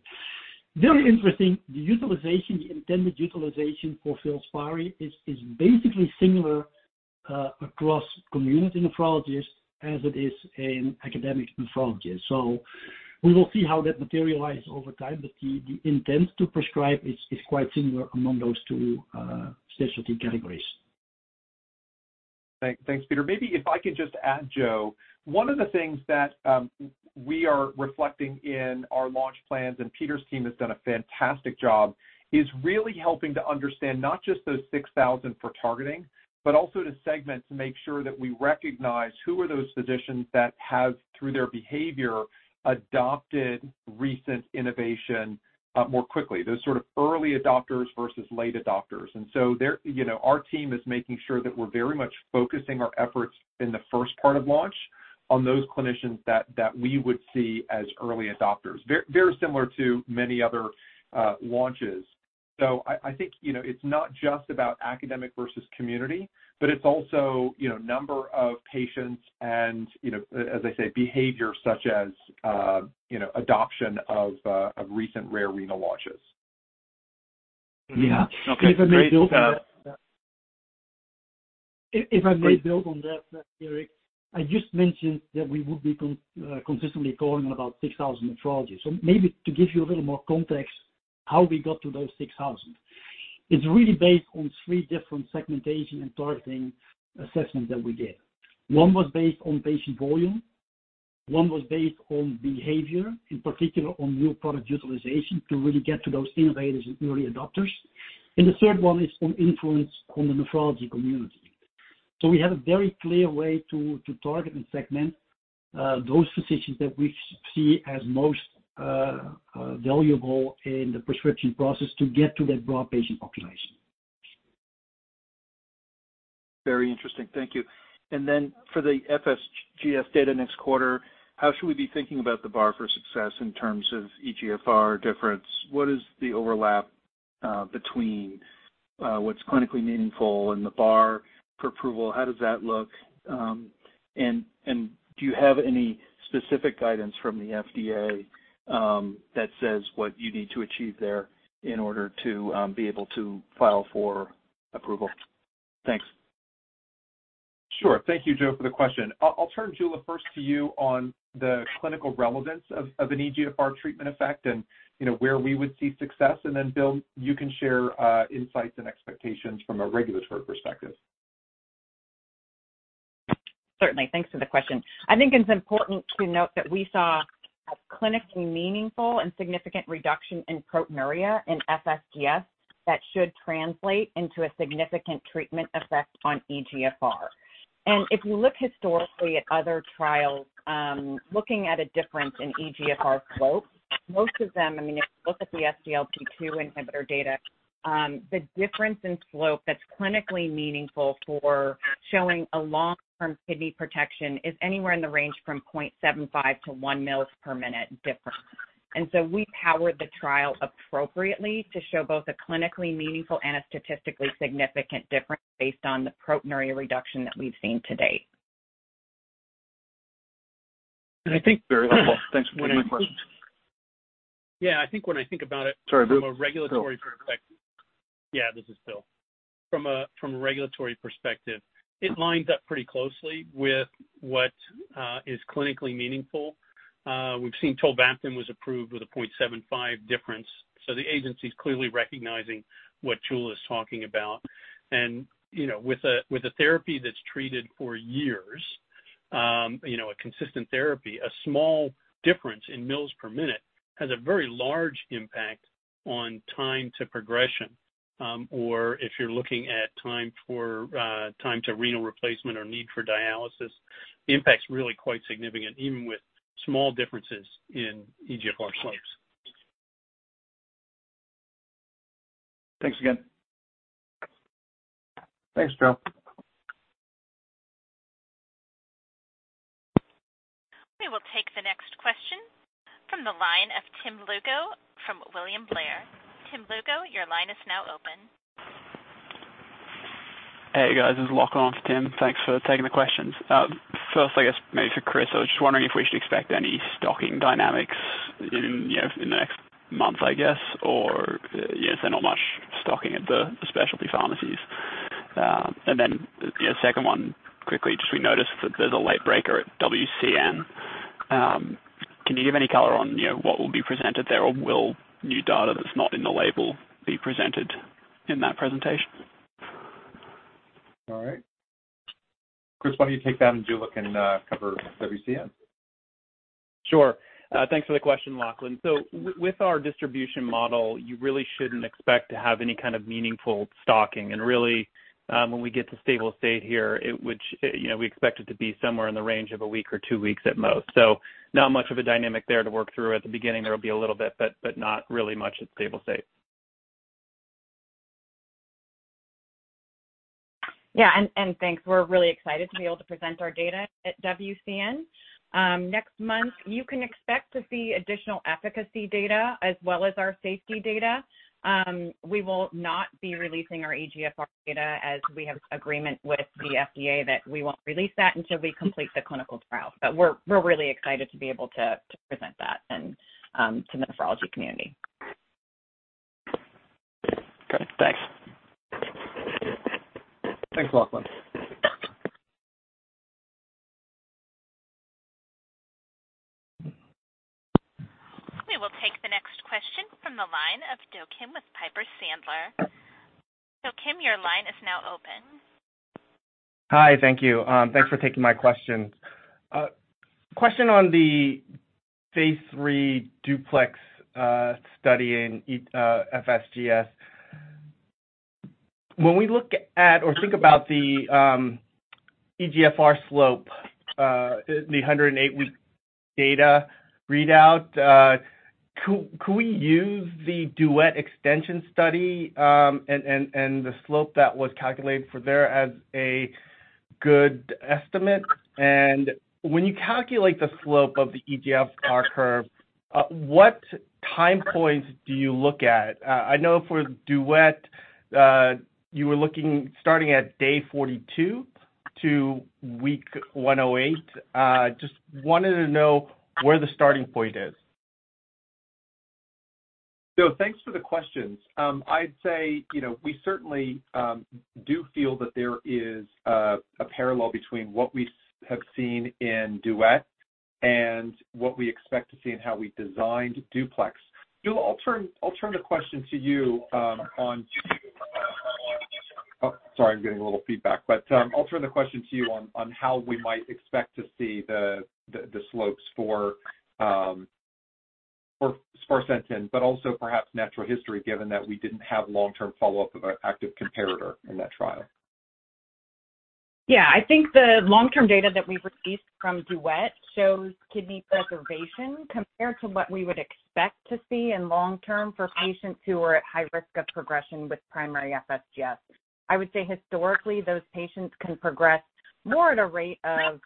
Very interesting. The utilization, the intended utilization for FILSPARI is basically similar across community nephrologists as it is in academic nephrologists. We will see how that materialize over time, but the intent to prescribe is quite similar among those two specialty categories. Thanks, Peter. Maybe if I could just add, Joe, one of the things that we are reflecting in our launch plans, and Peter's team has done a fantastic job, is really helping to understand not just those 6,000 for targeting, but also to segment to make sure that we recognize who are those physicians that have, through their behavior, adopted recent innovation more quickly, those sort of early adopters versus late adopters. You know, our team is making sure that we're very much focusing our efforts in the first part of launch on those clinicians that we would see as early adopters. Very similar to many other launches. I think, you know, it's not just about academic versus community, but it's also, you know, number of patients and, you know, as I say, behavior such as, you know, adoption of recent rare renal launches. Yeah. If I may build on that, Eric, I just mentioned that we would be consistently calling on about 6,000 nephrologists. Maybe to give you a little more context how we got to those 6,000. It's really based on three different segmentation and targeting assessments that we did. One was based on patient volume, one was based on behavior, in particular on new product utilization to really get to those innovators and early adopters. The third one is on influence on the nephrology community. We have a very clear way to target and segment those physicians that we see as most valuable in the prescription process to get to that broad patient population. Very interesting. Thank you. Then for the FSGS data next quarter, how should we be thinking about the bar for success in terms of eGFR difference? What is the overlap between what's clinically meaningful and the bar for approval? How does that look? Do you have any specific guidance from the FDA that says what you need to achieve there in order to be able to file for approval? Thanks. Sure. Thank you, Joe, for the question. I'll turn, Jula, first to you on the clinical relevance of an eGFR treatment effect and, you know, where we would see success. Then Bill, you can share insights and expectations from a regulatory perspective. Certainly. Thanks for the question. I think it's important to note that we saw a clinically meaningful and significant reduction in proteinuria in FSGS that should translate into a significant treatment effect on eGFR. If you look historically at other trials, looking at a difference in eGFR slope, most of them, I mean, if you look at the SGLT2 inhibitor data, the difference in slope that's clinically meaningful for showing a long-term kidney protection is anywhere in the range from 0.75-1 mils per minute difference. We powered the trial appropriately to show both a clinically meaningful and a statistically significant difference based on the proteinuria reduction that we've seen to date. I think- Very well. Thanks for taking my questions. Yeah. Sorry. Bill. From a regulatory perspective. Yeah, this is Bill. From a regulatory perspective, it lines up pretty closely with what is clinically meaningful. We've seen tolvaptan was approved with a 0.75 difference. The agency's clearly recognizing what Jula's talking about. You know, with a therapy that's treated for years, you know, a consistent therapy, a small difference in mils per minute has a very large impact on time to progression. If you're looking at time for time to renal replacement or need for dialysis, the impact's really quite significant even with small differences in eGFR slopes. Thanks again. Thanks, Joe. We will take the next question from the line of Tim Lugo from William Blair. Tim Lugo, your line is now open. Hey, guys. This is Lachlan. It's Tim. Thanks for taking the questions. First I guess maybe for Chris, I was just wondering if we should expect any stocking dynamics in, you know, in the next month, I guess, or, you know, is there not much stocking at the specialty pharmacies? Second one quickly, just we noticed that there's a late breaker at WCN. Can you give any color on, you know, what will be presented there? Or will new data that's not in the label be presented in that presentation? All right. Chris, why don't you take that, and Jula cn cover WCN? Sure. Thanks for the question, Lachlan. With our distribution model, you really shouldn't expect to have any kind of meaningful stocking. Really, when we get to stable state here, it would you know, we expect it to be somewhere in the range of one week or two weeks at most. Not much of a dynamic there to work through. At the beginning, there will be a little bit, but not really much at stable state. Yeah. Thanks. We're really excited to be able to present our data at WCN. Next month, you can expect to see additional efficacy data as well as our safety data. We will not be releasing our eGFR data as we have agreement with the FDA that we won't release that until we complete the clinical trial. We're really excited to be able to present that and to the nephrology community. Great. Thanks. Thanks, Lachlan. We will take the next question from the line of Do Kim with Piper Sandler. Do Kim, your line is now open. Hi. Thank you. Thanks for taking my questions. Question on the phase III DUPLEX study in FSGS. When we look at or think about the eGFR slope, the 108-week data readout, could we use the DUET extension study and the slope that was calculated for there as a good estimate? When you calculate the slope of the eGFR curve, what time points do you look at? I know for DUET, you were looking starting at day 42 to week 108. Just wanted to know where the starting point is. Thanks for the questions. I'd say, you know, we certainly do feel that there is a parallel between what we have seen in DUET and what we expect to see in how we designed DUPLEX. Jewel, I'll turn the question to you on. Oh, sorry, I'm getting a little feedback. I'll turn the question to you on how we might expect to see the slopes for sparsentan, but also perhaps natural history, given that we didn't have long-term follow-up of our active comparator in that trial. I think the long-term data that we've received from DUET shows kidney preservation compared to what we would expect to see in long-term for patients who are at high risk of progression with primary FSGS. I would say historically, those patients can progress more at a rate of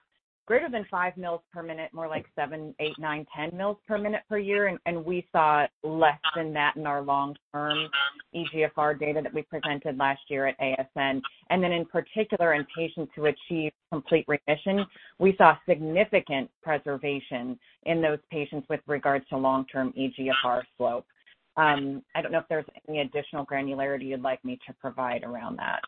greater than 5 mils per minute, more like 7, 8, 9, 10 mils per minute per year, and we saw less than that in our long-term eGFR data that we presented last year at ASN. In particular, in patients who achieve complete remission, we saw significant preservation in those patients with regards to long-term eGFR slope. I don't know if there's any additional granularity you'd like me to provide around that.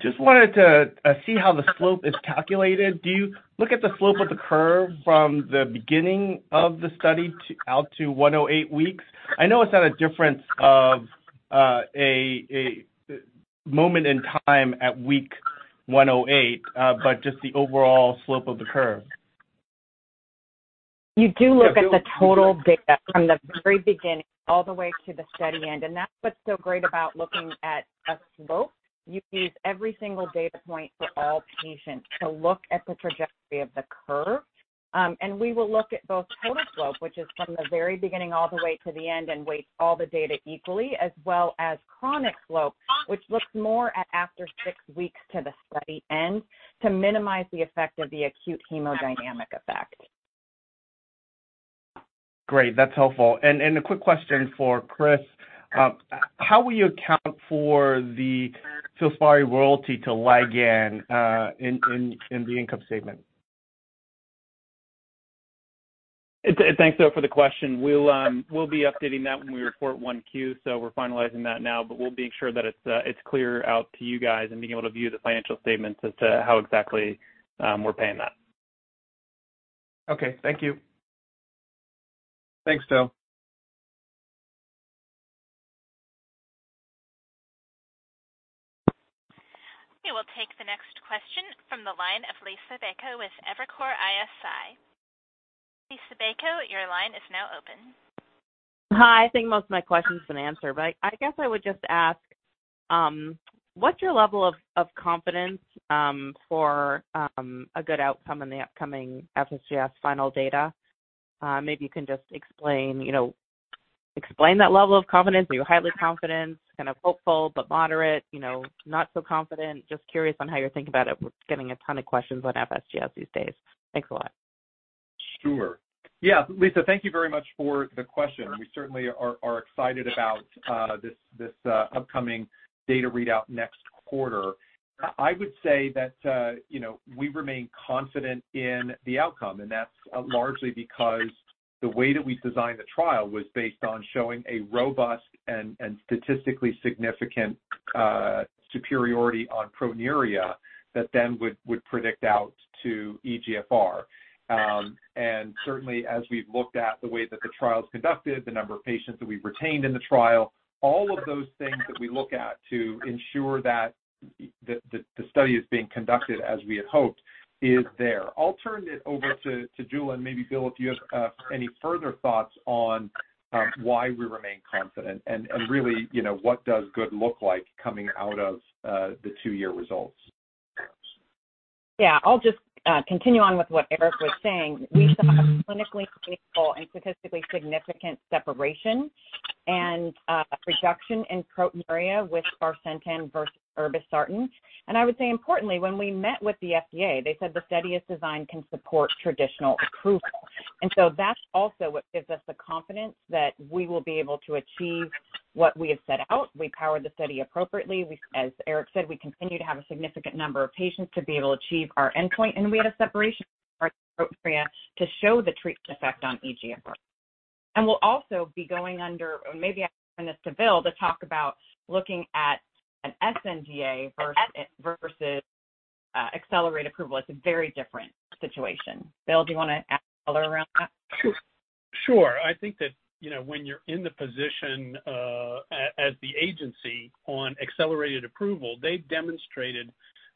Just wanted to see how the slope is calculated. Do you look at the slope of the curve from the beginning of the study out to 108 weeks? I know it's not a difference of a moment in time at week 108, but just the overall slope of the curve. You do look at the total data from the very beginning all the way to the study end, and that's what's so great about looking at a slope. You use every single data point for all patients to look at the trajectory of the curve. We will look at both total slope, which is from the very beginning all the way to the end and weighs all the data equally, as well as chronic slope, which looks more at after six weeks to the study end to minimize the effect of the acute hemodynamic effect. Great. That's helpful. A quick question for Chris. How will you account for the FILSPARI royalty to Ligand in the income statement? Thanks, though, for the question. We'll, we'll be updating that when we report 1Q. We're finalizing that now, but we'll make sure that it's clear out to you guys and being able to view the financial statements as to how exactly, we're paying that. Okay. Thank you. Thanks, Joe. We will take the next question from the line of Liisa Bayko with Evercore ISI. Liisa Bayko, your line is now open. Hi. I think most of my question's been answered, but I guess I would just ask, what's your level of confidence for a good outcome in the upcoming FSGS final data? Maybe you can just explain, you know, explain that level of confidence. Are you highly confident, kind of hopeful but moderate, you know, not so confident? Just curious on how you're thinking about it. We're getting a ton of questions on FSGS these days. Thanks a lot. Sure. Yeah. Liisa, thank you very much for the question. We certainly are excited about this upcoming data readout next quarter. I would say that, you know, we remain confident in the outcome, and that's largely because the way that we designed the trial was based on showing a robust and statistically significant superiority on proteinuria that then would predict out to eGFR. Certainly as we've looked at the way that the trial is conducted, the number of patients that we've retained in the trial, all of those things that we look at to ensure that the study is being conducted as we had hoped is there. I'll turn it over to Jewel and maybe Bill, if you have any further thoughts on why we remain confident and really, you know, what does good look like coming out of the two -year results? Yeah. I'll just continue on with what Eric was saying. We saw a clinically stable and statistically significant separation and reduction in proteinuria with sparsentan versus irbesartan. I would say importantly, when we met with the FDA, they said the study's design can support traditional approval. That's also what gives us the confidence that we will be able to achieve what we have set out. We powered the study appropriately. As Eric said, we continue to have a significant number of patients to be able to achieve our endpoint, and we had a separation of proteinuria to show the treatment effect on eGFR. We'll also be going under. Maybe I'll turn this to Bill to talk about looking at an sNDA versus accelerated approval. It's a very different situation. Bill, do you wanna add color around that? Sure. I think that, you know, when you're in the position, as the agency on accelerated approval, they've demonstrated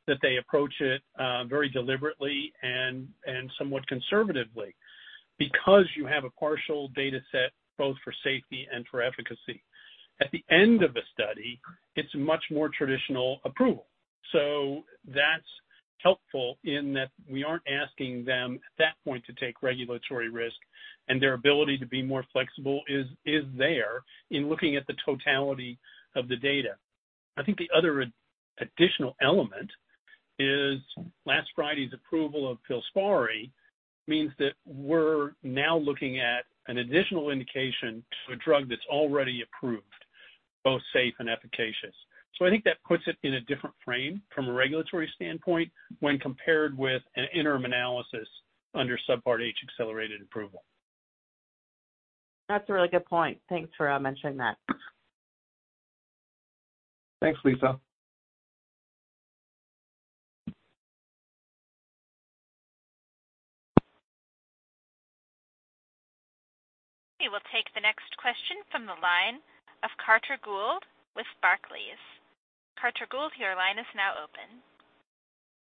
that they approach it very deliberately and somewhat conservatively because you have a partial dataset both for safety and for efficacy. At the end of a study, it's a much more traditional approval. That's helpful in that we aren't asking them at that point to take regulatory risk, and their ability to be more flexible is there in looking at the totality of the data. I think the other additional element is last Friday's approval of FILSPARI means that we're now looking at an additional indication to a drug that's already approved. Both safe and efficacious. I think that puts it in a different frame from a regulatory standpoint when compared with an interim analysis under Subpart H accelerated approval. That's a really good point. Thanks for mentioning that. Thanks, Liisa. We will take the next question from the line of Carter Gould with Barclays. Carter Gould, your line is now open.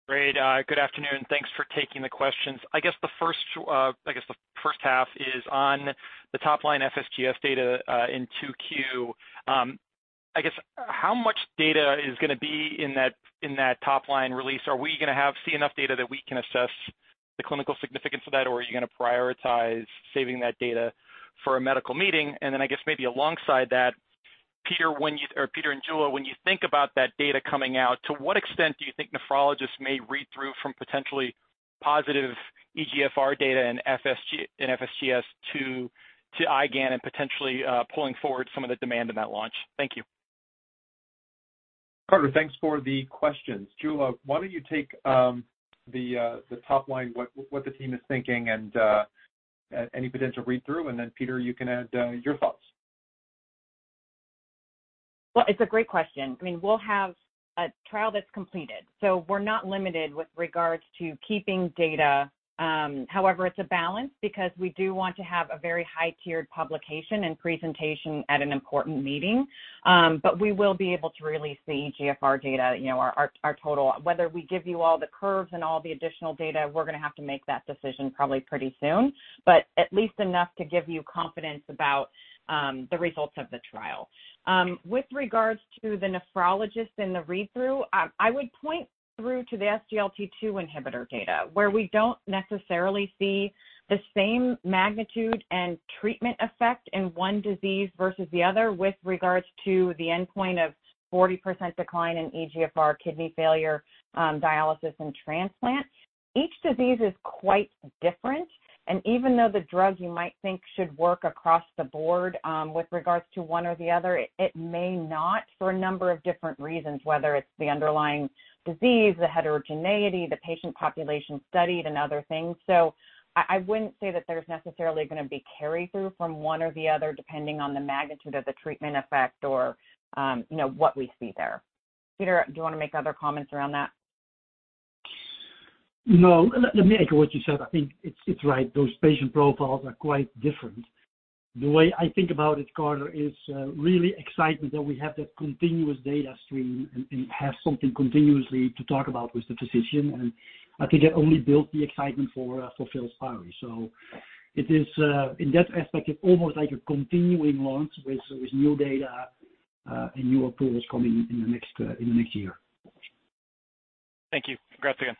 Great. Good afternoon. Thanks for taking the questions. I guess the first half is on the top line FSGS data in 2Q. I guess how much data is gonna be in that top line release? Are we gonna see enough data that we can assess the clinical significance of that, or are you gonna prioritize saving that data for a medical meeting? I guess maybe alongside that, Peter, when Peter and Jula, when you think about that data coming out, to what extent do you think nephrologists may read through from potentially positive eGFR data and FSGS to IgAN and potentially pulling forward some of the demand in that launch? Thank you. Carter, thanks for the questions. Jula, why don't you take the top line, what the team is thinking and any potential read-through, and then Peter, you can add your thoughts. Well, it's a great question. I mean, we'll have a trial that's completed, so we're not limited with regards to keeping data. However, it's a balance because we do want to have a very high-tiered publication and presentation at an important meeting. But we will be able to release the eGFR data, you know, our total. Whether we give you all the curves and all the additional data, we're gonna have to make that decision probably pretty soon. But at least enough to give you confidence about the results of the trial. With regards to the nephrologist and the read-through, I would point through to the SGLT2 inhibitor data, where we don't necessarily see the same magnitude and treatment effect in one disease versus the other with regards to the endpoint of 40% decline in eGFR kidney failure, dialysis and transplant. Each disease is quite different, even though the drug you might think should work across the board, with regards to one or the other, it may not for a number of different reasons, whether it's the underlying disease, the heterogeneity, the patient population studied, and other things. I wouldn't say that there's necessarily gonna be carry-through from one or the other depending on the magnitude of the treatment effect or, you know, what we see there. Peter, do you wanna make other comments around that? No. Let me echo what you said. I think it's right. Those patient profiles are quite different. The way I think about it, Carter, is really excitement that we have that continuous data stream and have something continuously to talk about with the physician, and I think it only built the excitement for FILSPARI. It is in that aspect, it's almost like a continuing launch with new data, and new approvals coming in the next year. Thank you. Congrats again.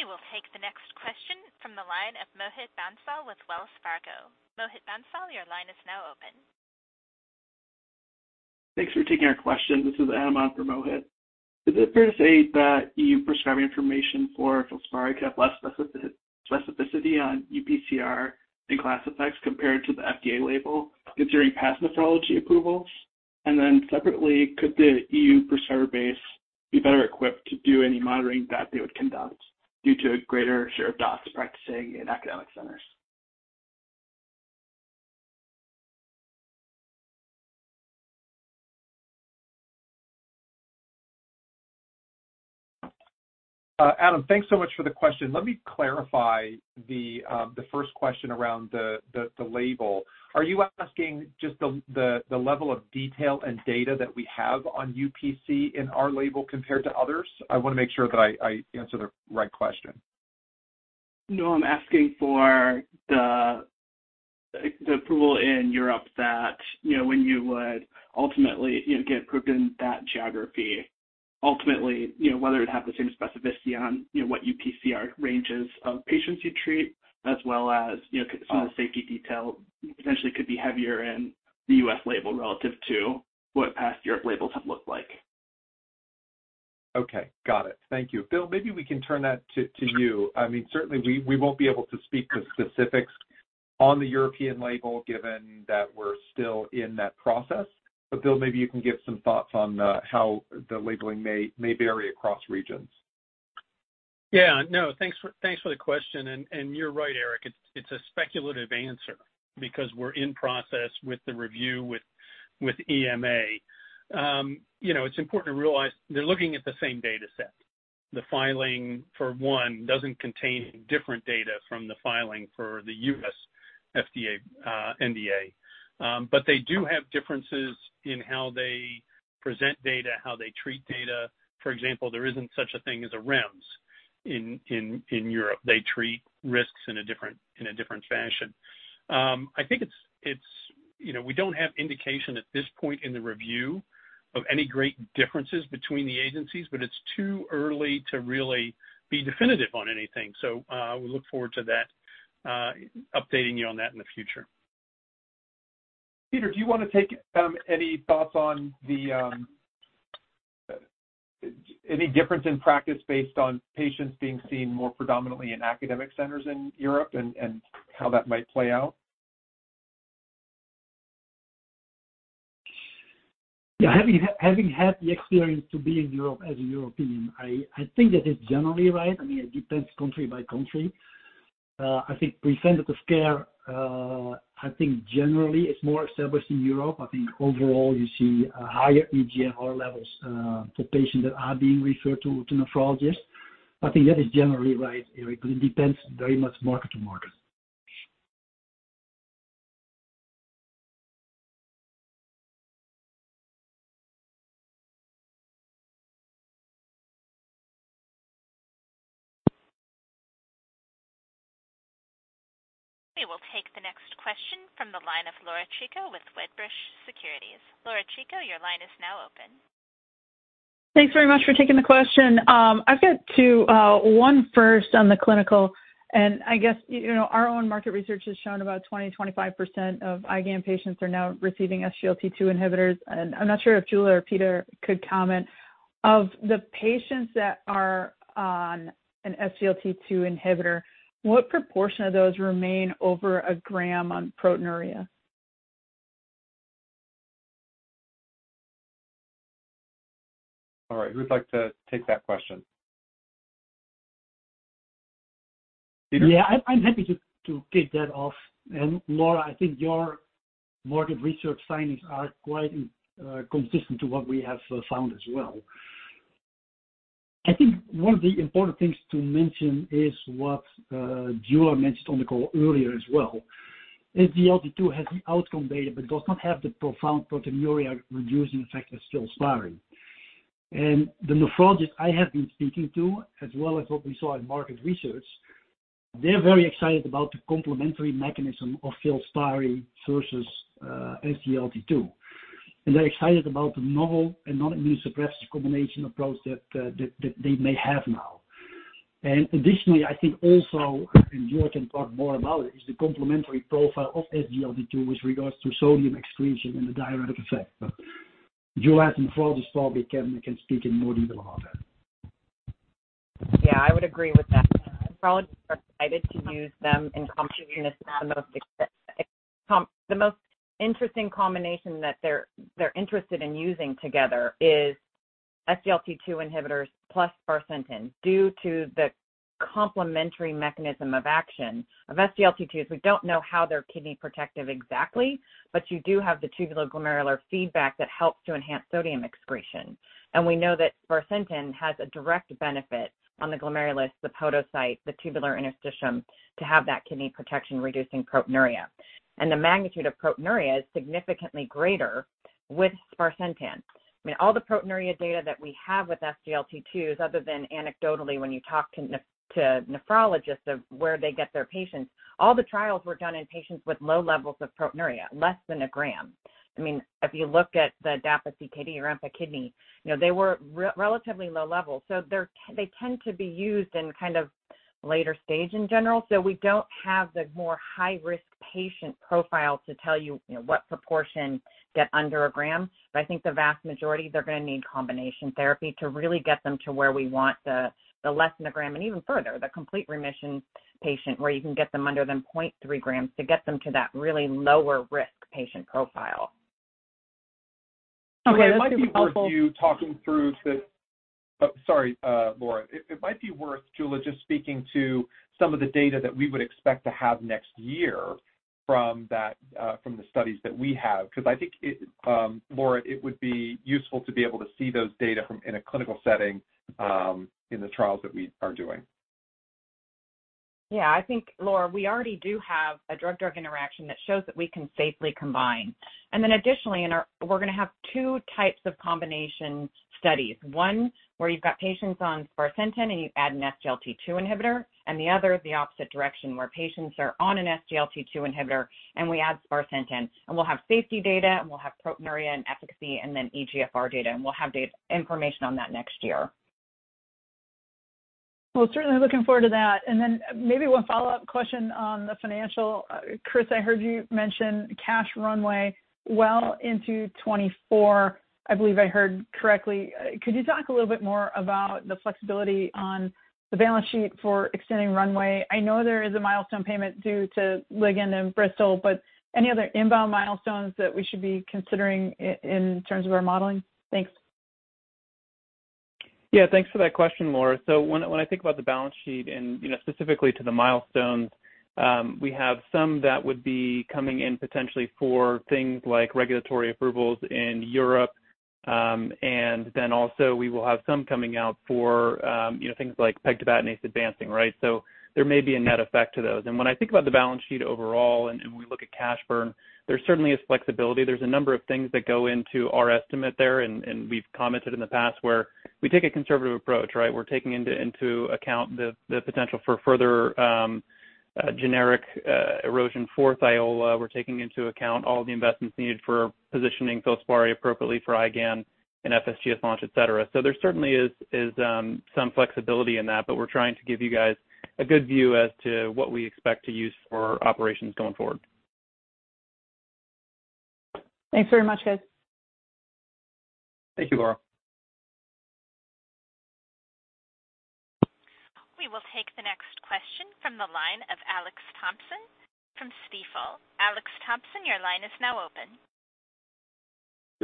We will take the next question from the line of Mohit Bansal with Wells Fargo. Mohit Bansal, your line is now open. Thanks for taking our question. This is Adam on for Mohit. Is it fair to say that EU prescribing information for FILSPARI could have less specificity on UPCR and class effects compared to the FDA label considering past methodology approvals? Separately, could the EU prescriber base be better equipped to do any monitoring that they would conduct due to a greater share of docs practicing in academic centers? Adam, thanks so much for the question. Let me clarify the first question around the label. Are you asking just the level of detail and data that we have on UPCR in our label compared to others? I wanna make sure that I answer the right question. No, I'm asking for the approval in Europe that, you know, when you would ultimately, you know, get approved in that geography, ultimately, you know, whether it have the same specificity on, you know, what UPCR ranges of patients you treat as well as, you know, some of the safety detail essentially could be heavier in the U.S. label relative to what past Europe labels have looked like. Okay. Got it. Thank you. Bill, maybe we can turn that to you. I mean, certainly we won't be able to speak to specifics on the European label given that we're still in that process. Bill, maybe you can give some thoughts on how the labeling may vary across regions. Yeah. No, thanks for the question. You're right, Eric. It's a speculative answer because we're in process with the review with EMA. You know, it's important to realize they're looking at the same dataset. The filing for one doesn't contain different data from the filing for the US FDA NDA. They do have differences in how they present data, how they treat data. For example, there isn't such a thing as a REMS in Europe. They treat risks in a different fashion. I think it's, you know, we don't have indication at this point in the review of any great differences between the agencies, it's too early to really be definitive on anything. We look forward to that updating you on that in the future. Peter, do you wanna take, any thoughts on the any difference in practice based on patients being seen more predominantly in academic centers in Europe and how that might play out? Yeah. Having had the experience to be in Europe as a European, I think that it's generally right. I mean, it depends country by country. I think preventative care, I think generally is more established in Europe. I think overall you see higher eGFR levels for patients that are being referred to nephrologists. I think that is generally right, Eric, but it depends very much market to market. We will take the next question from the line of Laura Chicco with Wedbush Securities. Laura Chicco, your line is now open. Thanks very much for taking the question. I've got two. One first on the clinical. I guess, you know, our own market research has shown about 20%-25% of IgAN patients are now receiving SGLT2 inhibitors. I'm not sure if Julie or Peter could comment. Of the patients that are on an SGLT2 inhibitor, what proportion of those remain over 1 gram on proteinuria? All right, who'd like to take that question? Peter? Yeah. I'm happy to kick that off. Laura, I think your market research findings are quite consistent to what we have found as well. I think one of the important things to mention is what Julie mentioned on the call earlier as well. SGLT2 has the outcome data, but does not have the profound proteinuria reducing effect as FILSPARI. The nephrologist I have been speaking to, as well as what we saw in market research, they're very excited about the complementary mechanism of FILSPARI versus SGLT2. They're excited about the novel and non-immune suppressive combination approach that they may have now. Additionally, I think also, and Julie can talk more about it, is the complementary profile of SGLT2 with regards to sodium excretion and the diuretic effect. Julie as nephrologist probably can speak in more detail about that. Yeah. I would agree with that. Nephrologists are excited to use them in combination as the most interesting combination that they're interested in using together is SGLT2 inhibitors plus sparsentan due to the complementary mechanism of action of SGLT2s. We don't know how they're kidney protective exactly, but you do have the tubuloglomerular feedback that helps to enhance sodium excretion. We know that sparsentan has a direct benefit on the glomerulus, the podocyte, the tubular interstitium to have that kidney protection reducing proteinuria. The magnitude of proteinuria is significantly greater with sparsentan. I mean, all the proteinuria data that we have with SGLT2s, other than anecdotally when you talk to nephrologists of where they get their patients, all the trials were done in patients with low levels of proteinuria, less than 1 gram. I mean, if you look at the DAPA-CKD or EMPA-KIDNEY, you know, they were relatively low level. They tend to be used in kind of later stage in general. We don't have the more high-risk patient profile to tell you know, what proportion get under a gram. I think the vast majority, they're gonna need combination therapy to really get them to where we want the less than a gram and even further, the complete remission patient, where you can get them under 0.3 grams to get them to that really lower risk patient profile. Okay. This is helpful. It might be worth you talking through this. Oh, sorry, Laura. It might be worth, Julie, just speaking to some of the data that we would expect to have next year from that, from the studies that we have, because I think it, Laura, it would be useful to be able to see those data from, in a clinical setting, in the trials that we are doing. Yeah. I think, Laura, we already do have a drug-drug interaction that shows that we can safely combine. Additionally, we're going to have two types of combination studies, one where you've got patients on sparsentan and you add an SGLT2 inhibitor, and the other the opposite direction, where patients are on an SGLT2 inhibitor and we add sparsentan. We'll have safety data, and we'll have proteinuria and efficacy and then eGFR data, and we'll have information on that next year. Well, certainly looking forward to that. Maybe one follow-up question on the financial. Chris, I heard you mention cash runway well into 2024, I believe I heard correctly. Could you talk a little bit more about the flexibility on the balance sheet for extending runway? I know there is a milestone payment due to Ligand and Bristol, but any other inbound milestones that we should be considering in terms of our modeling? Thanks. Thanks for that question, Laura. When I think about the balance sheet and, you know, specifically to the milestones, we have some that would be coming in potentially for things like regulatory approvals in Europe. Also we will have some coming out for, you know, things like pegtibatinase advancing, right? There may be a net effect to those. When I think about the balance sheet overall and we look at cash burn, there certainly is flexibility. There's a number of things that go into our estimate there, and we've commented in the past where we take a conservative approach, right? We're taking into account the potential for further generic erosion for THIOLA. We're taking into account all the investments needed for positioning FILSPARI appropriately for IgAN and FSGS launch, et cetera. There certainly is some flexibility in that, but we're trying to give you guys a good view as to what we expect to use for operations going forward. Thanks very much, guys. Thank you, Laura. We will take the next question from the line of Alex Thompson from Stifel. Alex Thompson, your line is now open.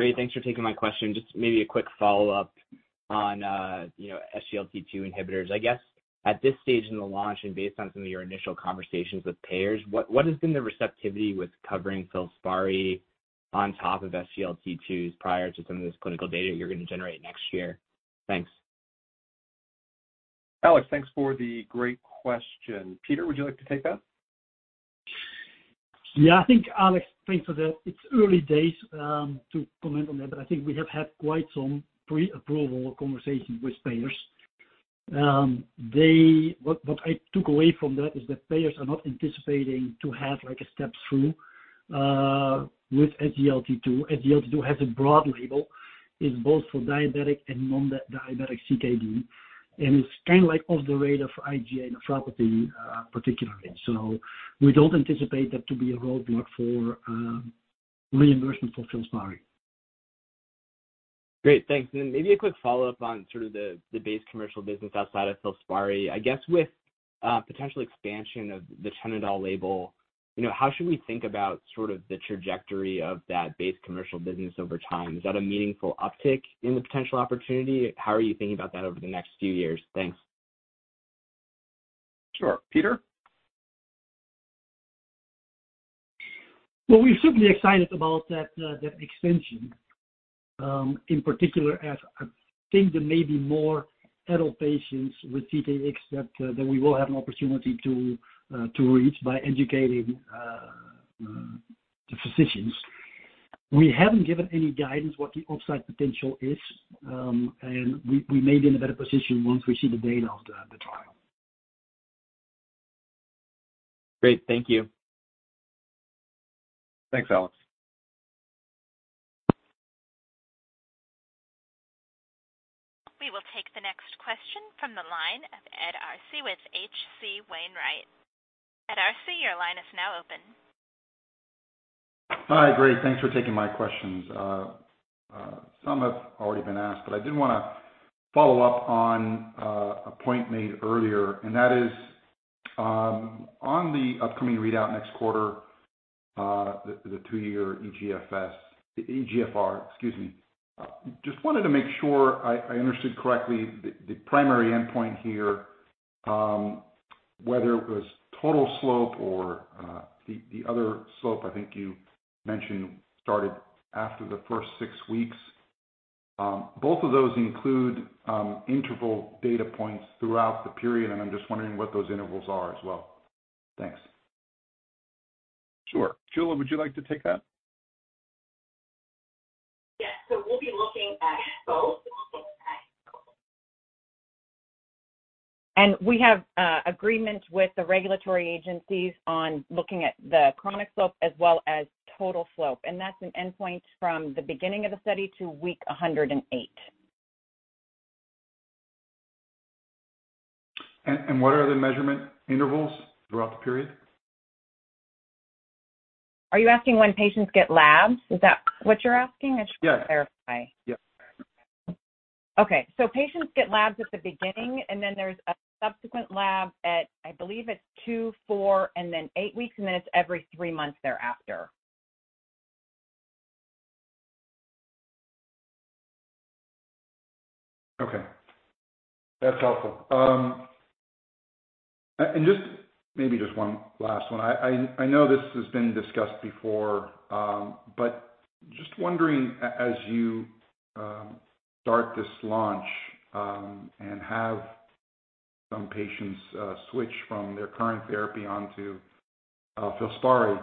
Great. Thanks for taking my question. Just maybe a quick follow-up on, you know, SGLT2 inhibitors. I guess at this stage in the launch and based on some of your initial conversations with payers, what has been the receptivity with covering FILSPARI on top of SGLT2s prior to some of this clinical data you're gonna generate next year? Thanks. Alex, thanks for the great question. Peter, would you like to take that? I think, Alex, thanks for that. It's early days to comment on that, but I think we have had quite some pre-approval conversations with payers. What I took away from that is that payers are not anticipating to have, like, a step-through with SGLT2. SGLT2 has a broad label. It's both for diabetic and non-diabetic CKD, and it's kind of like off the radar for IgA nephropathy particularly. We don't anticipate that to be a roadblock for reimbursement for FILSPARI. Great. Thanks. Maybe a quick follow-up on sort of the base commercial business outside of FILSPARI. I guess with potential expansion of the Chenodal label, you know, how should we think about sort of the trajectory of that base commercial business over time? Is that a meaningful uptick in the potential opportunity? How are you thinking about that over the next few years? Thanks. Sure. Peter? We're certainly excited about that extension, in particular as I think there may be more adult patients with CKD except that we will have an opportunity to reach by educating the physicians. We haven't given any guidance what the upside potential is, and we may be in a better position once we see the data of the trial. Great. Thank you. Thanks, Alex. We will take the next question from the line of Ed Arce with H.C. Wainwright. Ed Arce, your line is now open. Hi. Great, thanks for taking my questions. Some have already been asked, but I did wanna follow up on a point made earlier, and that is on the upcoming readout next quarter, the two year eGFR, excuse me. Just wanted to make sure I understood correctly the primary endpoint here, whether it was total slope or the other slope I think you mentioned started after the first six weeks. Both of those include interval data points throughout the period, and I'm just wondering what those intervals are as well? Thanks. Sure. Jula, would you like to take that? Yes. We'll be looking at both. We have agreement with the regulatory agencies on looking at the chronic slope as well as total slope, and that's an endpoint from the beginning of the study to week 108. What are the measurement intervals throughout the period? Are you asking when patients get labs? Is that what you're asking? Yes. I just wanna clarify. Yeah. Okay. Patients get labs at the beginning, and then there's a subsequent lab at, I believe it's two, four, and then eight weeks, and then it's every three months thereafter. Okay. That's helpful. Just maybe just one last one. I know this has been discussed before, but just wondering as you start this launch, and have some patients switch from their current therapy onto Filspari,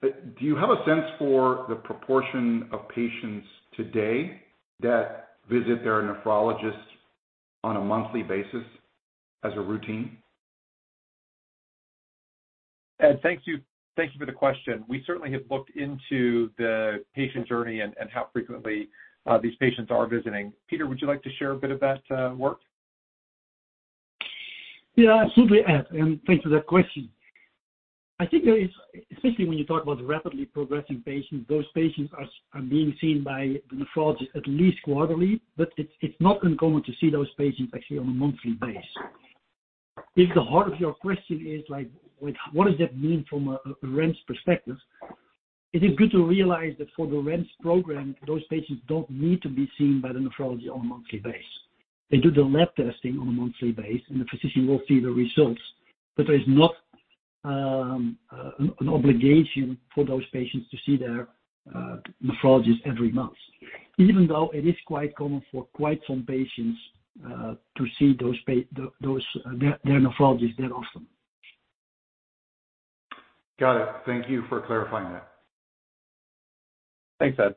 do you have a sense for the proportion of patients today that visit their nephrologist on a monthly basis as a routine? Ed, thank you. Thank you for the question. We certainly have looked into the patient journey and how frequently these patients are visiting. Peter, would you like to share a bit of that work? Absolutely, Ed, thank you for that question. I think there is, especially when you talk about rapidly progressing patients, those patients are being seen by the nephrologist at least quarterly, it's not uncommon to see those patients actually on a monthly base. If the heart of your question is, like, with what does that mean from a REMS perspective, it is good to realize that for the REMS program, those patients don't need to be seen by the nephrology on a monthly base. They do the lab testing on a monthly base, the physician will see the results, there is not an obligation for those patients to see their nephrologist every month, even though it is quite common for quite some patients to see their nephrologist that often. Got it. Thank you for clarifying that. Thanks, Ed.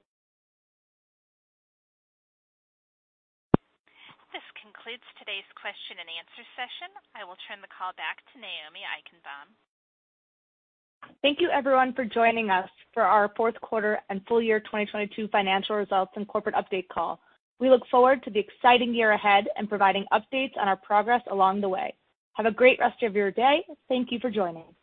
This concludes today's question-and-answer session. I will turn the call back to Naomi Eichenbaum. Thank you, everyone, for joining us for our fourth quarter and full year 2022 financial results and corporate update call. We look forward to the exciting year ahead and providing updates on our progress along the way. Have a great rest of your day. Thank you for joining.